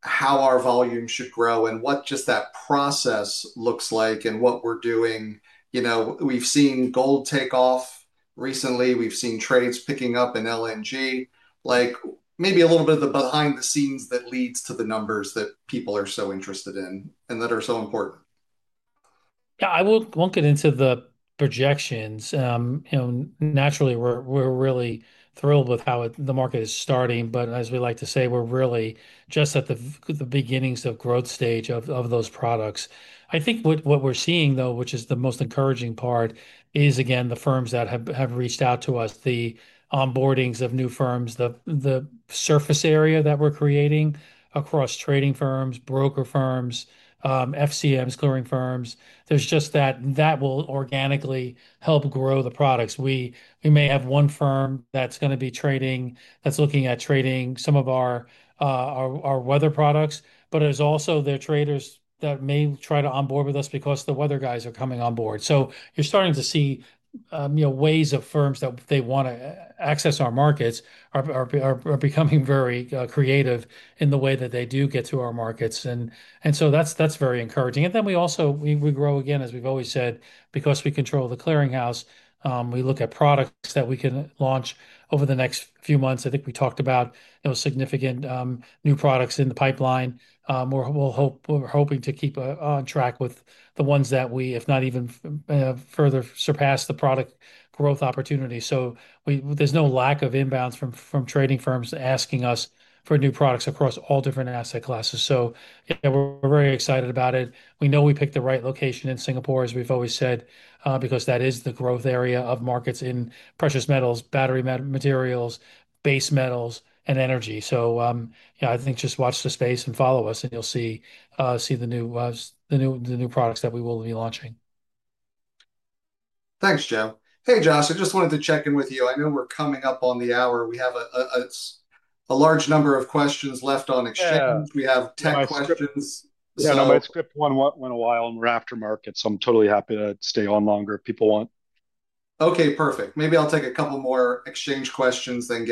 B: how our volume should grow and what just that process looks like and what we're doing. We've seen gold take off recently. We've seen trades picking up in LNG. Maybe a little bit of the behind the scenes that leads to the numbers that people are so interested in and that are so important.
C: I won't get into the projections. You know, naturally, we're really thrilled with how the market is starting. As we like to say, we're really just at the beginnings of growth stage of those products. I think what we're seeing, though, which is the most encouraging part, is again, the firms that have reached out to us, the onboardings of new firms, the surface area that we're creating across trading firms, broker firms, FCMs, clearing firms. That will organically help grow the products. We may have one firm that's going to be trading, that's looking at trading some of our weather products. There's also their traders that may try to onboard with us because the weather guys are coming on board. You're starting to see ways of firms that they want to access our markets are becoming very creative in the way that they do get through our markets. That is very encouraging. We grow again, as we've always said, because we control the clearinghouse. We look at products that we can launch over the next few months. I think we talked about significant new products in the pipeline. We're hoping to keep on track with the ones that we, if not even further, surpass the product growth opportunity. There's no lack of inbounds from trading firms asking us for new products across all different asset classes. We're very excited about it. We know we picked the right location in Singapore, as we've always said, because that is the growth area of markets in precious metals, battery materials, base metals, and energy. Just watch the space and follow us, and you'll see the new products that we will be launching.
B: Thanks, Joe. Hey, Josh, I just wanted to check in with you. I know we're coming up on the hour. We have a large number of questions left on exchange. We have tech questions.
A: Yeah, no, my script went a while and we're after market, so I'm totally happy to stay on longer if people want.
B: Okay, perfect. Maybe I'll take a couple more exchange questions, then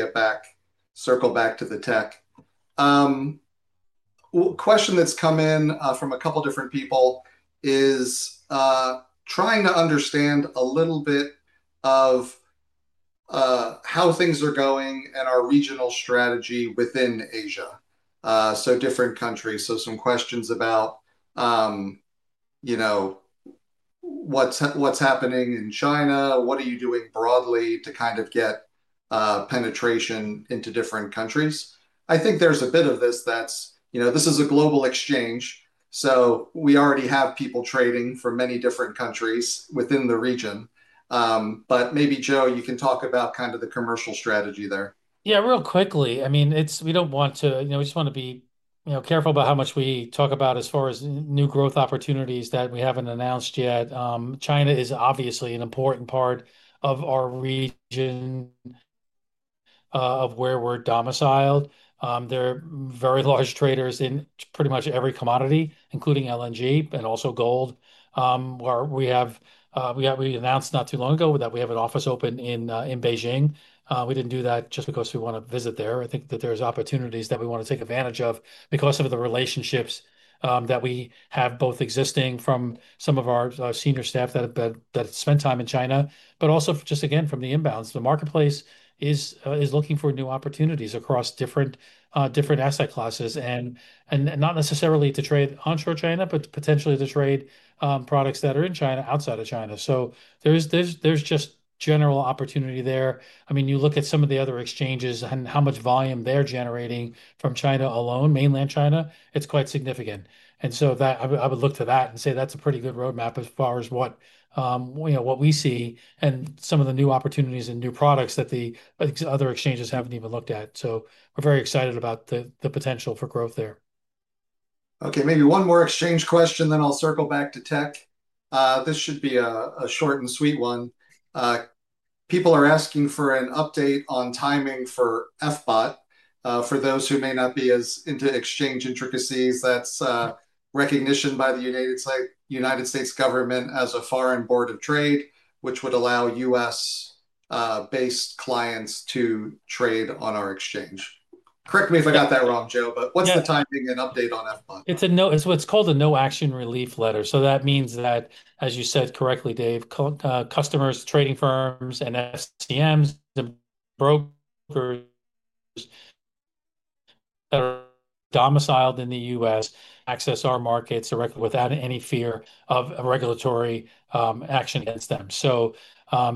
B: circle back to the tech. A question that's come in from a couple different people is trying to understand a little bit of how things are going and our regional strategy within Asia, so different countries. Some questions about what's happening in China, what are you doing broadly to kind of get penetration into different countries. I think there's a bit of this that this is a global exchange. We already have people trading from many different countries within the region. Maybe, Joe, you can talk about the commercial strategy there.
C: Real quickly, we just want to be careful about how much we talk about as far as new growth opportunities that we haven't announced yet. China is obviously an important part of our region of where we're domiciled. There are very large traders in pretty much every commodity, including LNG and also gold. We announced not too long ago that we have an office open in Beijing. We didn't do that just because we want to visit there. I think that there are opportunities that we want to take advantage of because of the relationships that we have both existing from some of our senior staff that spent time in China, but also just again from the inbounds. The marketplace is looking for new opportunities across different asset classes and not necessarily to trade onshore China, but potentially to trade products that are in China outside of China. There's just general opportunity there. You look at some of the other exchanges and how much volume they're generating from China alone, mainland China, it's quite significant. I would look to that and say that's a pretty good roadmap as far as what we see and some of the new opportunities and new products that the other exchanges haven't even looked at. We're very excited about the potential for growth there.
B: Okay, maybe one more exchange question, then I'll circle back to tech. This should be a short and sweet one. People are asking for an update on timing for FBAT. For those who may not be as into exchange intricacies, that's recognition by the U.S. government as a foreign board of trade, which would allow U.S.-based clients to trade on our exchange. Correct me if I got that wrong, Joe, but what's the timing and update on FBAT?
C: It's what's called a no-action relief letter. That means that, as you said correctly, Dave, customers, trading firms, and FCMs, brokers that are domiciled in the U.S. access our markets directly without any fear of regulatory action against them.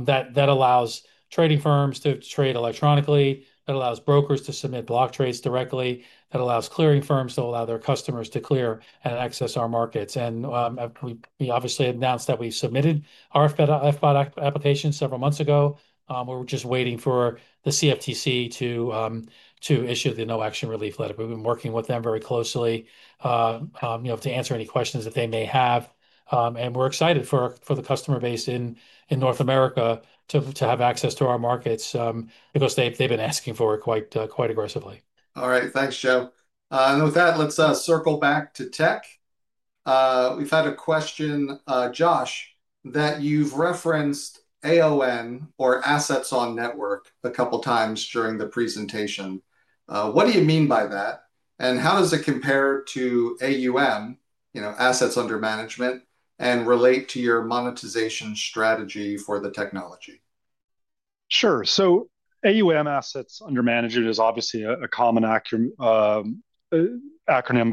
C: That allows trading firms to trade electronically. It allows brokers to submit block trades directly. It allows clearing firms to allow their customers to clear and access our markets. We obviously announced that we submitted our FBAT application several months ago. We're just waiting for the CFTC to issue the no-action relief letter. We've been working with them very closely to answer any questions that they may have. We're excited for the customer base in North America to have access to our markets because they've been asking for it quite aggressively.
B: All right, thanks, Joe. With that, let's circle back to tech. We've had a question, Josh, that you've referenced AON or assets on network a couple times during the presentation. What do you mean by that? How does it compare to AUM, assets under management, and relate to your monetization strategy for the technology?
A: Sure. AUM, assets under management, is obviously a common acronym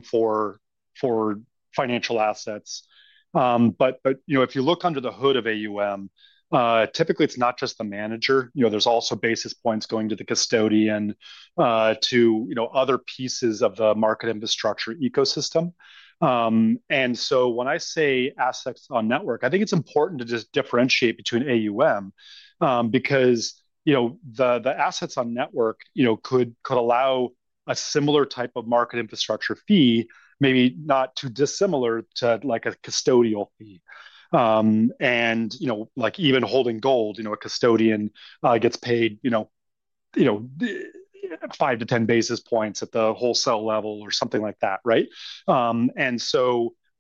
A: for financial assets. If you look under the hood of AUM, typically it's not just the manager. There's also basis points going to the custodian, to other pieces of the market infrastructure ecosystem. When I say assets on network, I think it's important to just differentiate between AUM because the assets on network could allow a similar type of market infrastructure fee, maybe not too dissimilar to a custodial fee. Even holding gold, a custodian gets paid 5 basis points to 10 basis points at the wholesale level or something like that, right?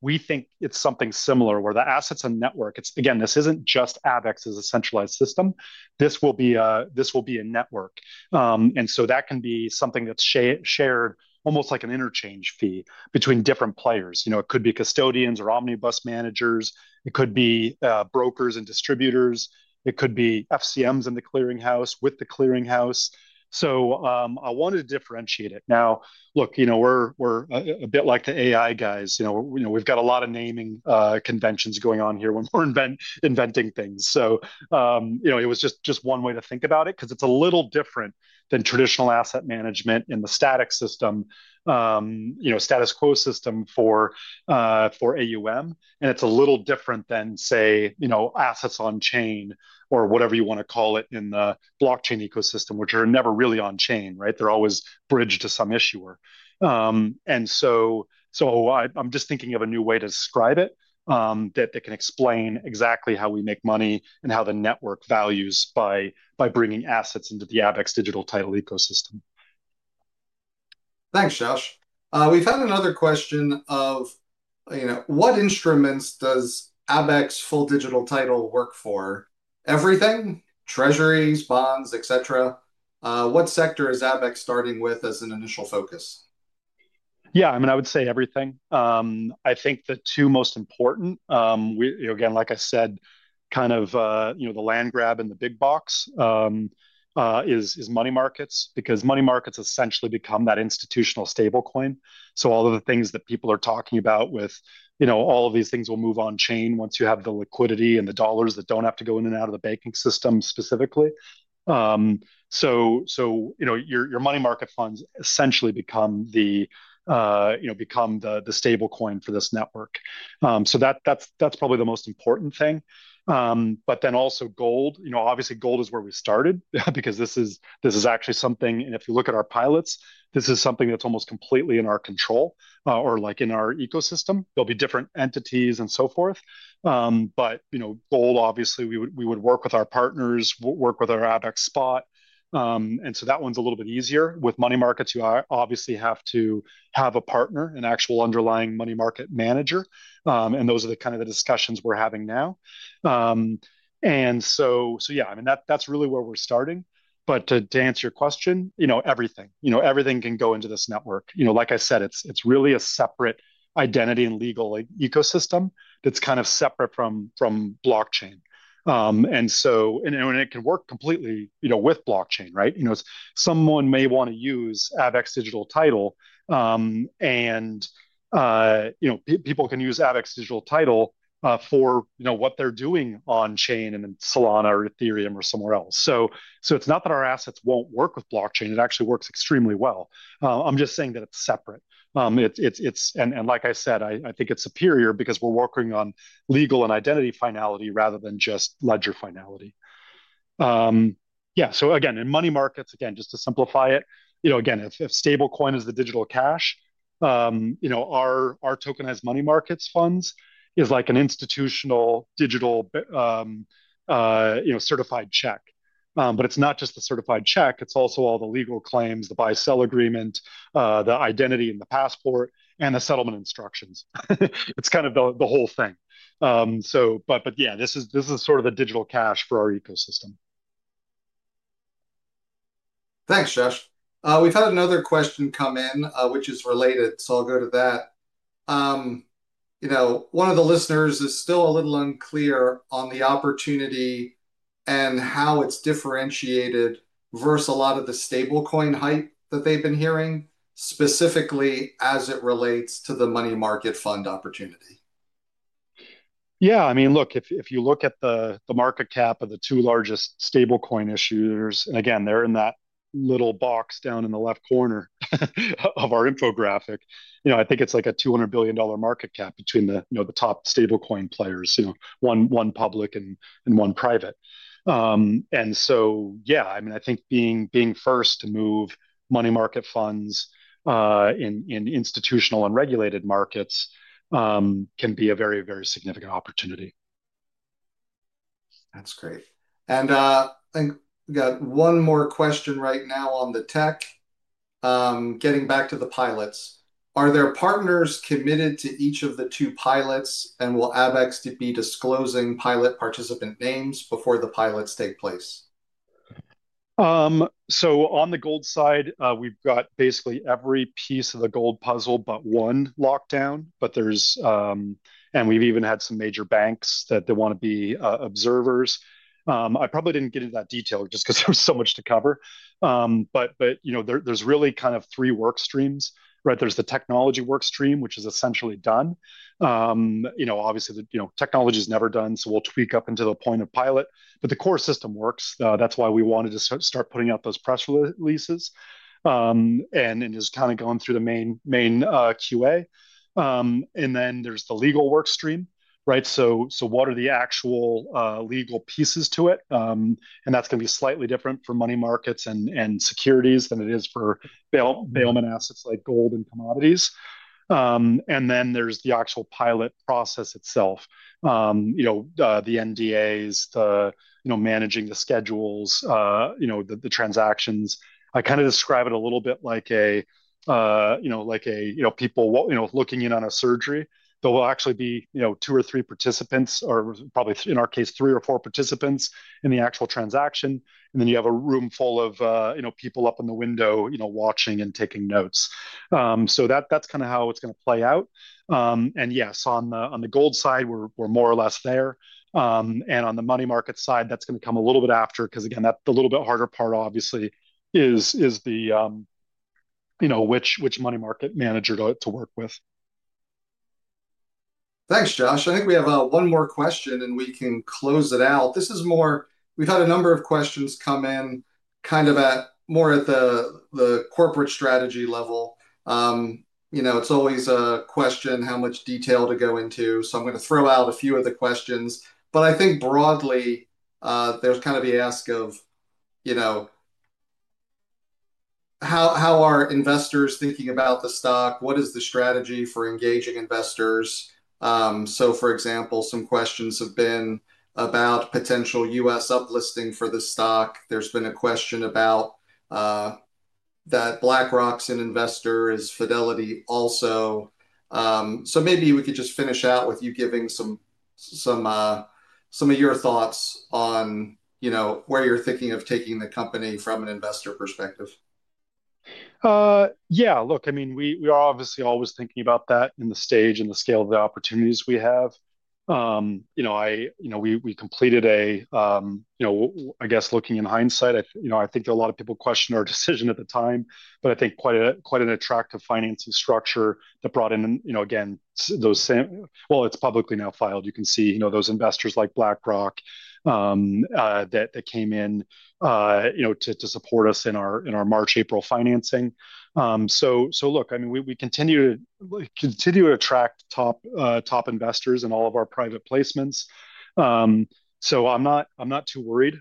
A: We think it's something similar where the assets on network, again, this isn't just Abaxx as a centralized system. This will be a network. That can be something that's shared almost like an interchange fee between different players. It could be custodians or omnibus managers. It could be brokers and distributors. It could be FCMs in the clearinghouse with the clearinghouse. I wanted to differentiate it. We're a bit like the AI guys. We've got a lot of naming conventions going on here when we're inventing things. It was just one way to think about it because it's a little different than traditional asset management in the status quo system for AUM. It's a little different than, say, assets on chain or whatever you want to call it in the blockchain ecosystem, which are never really on chain, right? They're always bridged to some issuer. I'm just thinking of a new way to describe it that can explain exactly how we make money and how the network values by bringing assets into the Abaxx Digital Title ecosystem.
B: Thanks, Josh. We've had another question: what instruments does Abaxx Full Digital Title work for? Everything? Treasuries, bonds, et cetera? What sector is Abaxx starting with as an initial focus?
A: Yeah, I mean, I would say everything. I think the two most important, again, like I said, kind of the land grab and the big box is money markets because money markets essentially become that institutional stablecoin. All of the things that people are talking about with all of these things will move on chain once you have the liquidity and the dollars that don't have to go in and out of the banking system specifically. Your money market funds essentially become the stablecoin for this network. That's probably the most important thing. Also, gold. Obviously, gold is where we started because this is actually something, and if you look at our pilots, this is something that's almost completely in our control or like in our ecosystem. They'll be. Entities and so forth. You know, gold, obviously, we would work with our partners, work with our Abaxx Spot, and so that one's a little bit easier. With money markets, you obviously have to have a partner, an actual underlying money market manager. Those are the kind of discussions we're having now. That's really where we're starting. To answer your question, everything can go into this network. Like I said, it's really a separate identity and legal ecosystem that's kind of separate from blockchain, and it can work completely with blockchain. Right? Someone may want to use Abaxx Digital Title, and people can use Abaxx Digital Title for what they're doing on chain and then Solana or Ethereum or somewhere else. It's not that our assets won't work with blockchain. It actually works extremely well. I'm just saying that it's separate, and like I said, I think it's superior because we're working on legal and identity finality rather than just ledger finality. Yeah. In money markets, just to simplify it, if stablecoin is the digital cash, our tokenized money markets funds is like an institutional digital certified check. It's not just the certified check. It's also all the legal claims, the buy sell agreement, the identity and the passport, and the settlement instructions. It's kind of the whole thing. This is sort of the digital cash for our ecosystem.
B: Thanks, Josh. We've had another question come in, which is related, so I'll go to that. You know, one of the listeners is still a little unclear on the opportunity and how it's differentiated versus a lot of the stablecoin hype that they've been hearing, specifically as it relates to the money market fund opportunity.
A: Yeah. I mean, look, if you look at the market cap of the two largest stablecoin issuers, and again, they're in that little box down in the left corner of our infographic, I think it's like a 200 billion dollar market cap between the top stablecoin players, one public and one private. I think being first to move money market funds in institutional and regulated markets can be a very, very significant opportunity.
B: That's great. I think we got one more question right now on the tech. Getting back to the pilots, are there partners committed to each of the two pilots, and will Abaxx be disclosing pilot participant names before the pilots take place?
A: On the gold side, we've got basically every piece of the gold puzzle but one locked down. We've even had some major banks that want to be observers. I probably didn't get into that detail just because there was so much to cover. There are really kind of three work streams. There's the technology work stream, which is essentially done. Obviously, technology is never done, so we'll tweak up until the point of pilot, but the core system works. That's why we wanted to start putting out those press releases, and it is going through the main QA. Then there's the legal work stream. What are the actual legal pieces to it? That's going to be slightly different for money markets and securities than it is for bail-in assets like gold and commodities. Then there's the actual pilot process itself: the NDAs, managing the schedules, the transactions. I describe it a little bit like people looking in on a surgery. There will actually be two or three participants, or probably, in our case, three or four participants in the actual transaction. Then you have a room full of people up in the window, watching and taking notes. That's how it's going to play out. Yes, on the gold side, we're more or less there. On the money market side, that's going to come a little bit after because that's the little bit harder part, obviously, which is which money market manager to work with.
B: Thanks, Josh. I think we have one more question, and we can close it out. This is more, we've had a number of questions come in at the corporate strategy level. You know, it's always a question how much detail to go into. I'm going to throw out a few of the questions. I think broadly, there's kind of the ask of, you know, how are investors thinking about the stock? What is the strategy for engaging investors? For example, some questions have been about potential U.S. uplisting for the stock. There's been a question about that BlackRock's an investor, is Fidelity also? Maybe we could just finish out with you giving some of your thoughts on where you're thinking of taking the company from an investor perspective.
A: Yeah. Look, I mean, we are obviously always thinking about that in the stage and the scale of the opportunities we have. I think that a lot of people questioned our decision at the time, but I think quite an attractive financing structure that brought in, you know, again, those same, well, it's publicly now filed. You can see those investors like BlackRock that came in to support us in our March April financing. Look, I mean, we continue to attract top investors in all of our private placements. I'm not too worried.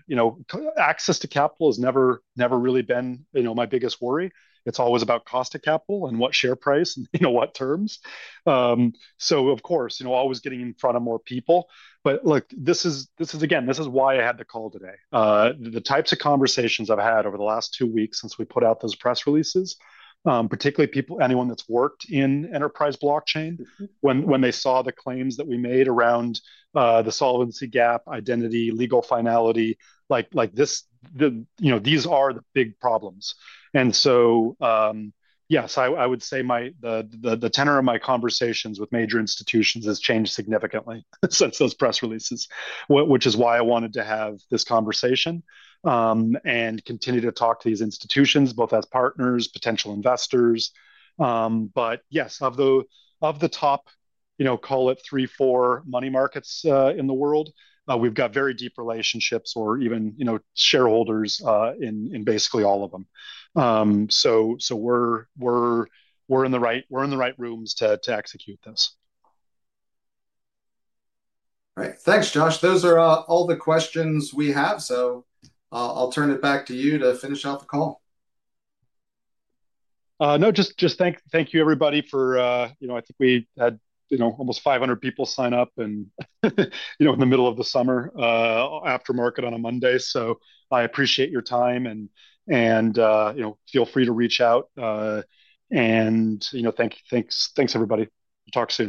A: Access to capital has never really been my biggest worry. It's always about cost of capital and what share price and what terms. Of course, always getting in front of more people. This is again, this is why I had the call today. The types of conversations I've had over the last two weeks since we put out those press releases, particularly people, anyone that's worked in enterprise blockchain, when they saw the claims that we made around the solvency gap, identity, legal finality, these are the big problems. Yes, I would say the tenor of my conversations with major institutions has changed significantly since those press releases, which is why I wanted to have this conversation and continue to talk to these institutions, both as partners, potential investors. Yes, of the top, call it three, four money markets in the world, we've got very deep relationships or even shareholders in basically all of them. We're in the right rooms to execute this.
B: Right. Thanks, Josh. Those are all the questions we have. I'll turn it back to you to finish out the call.
A: Thank you, everybody, for, you know, I think we had almost 500 people sign up, you know, in the middle of the summer, after market on a Monday. I appreciate your time, and, you know, feel free to reach out, and thank you, everybody, for talking to me.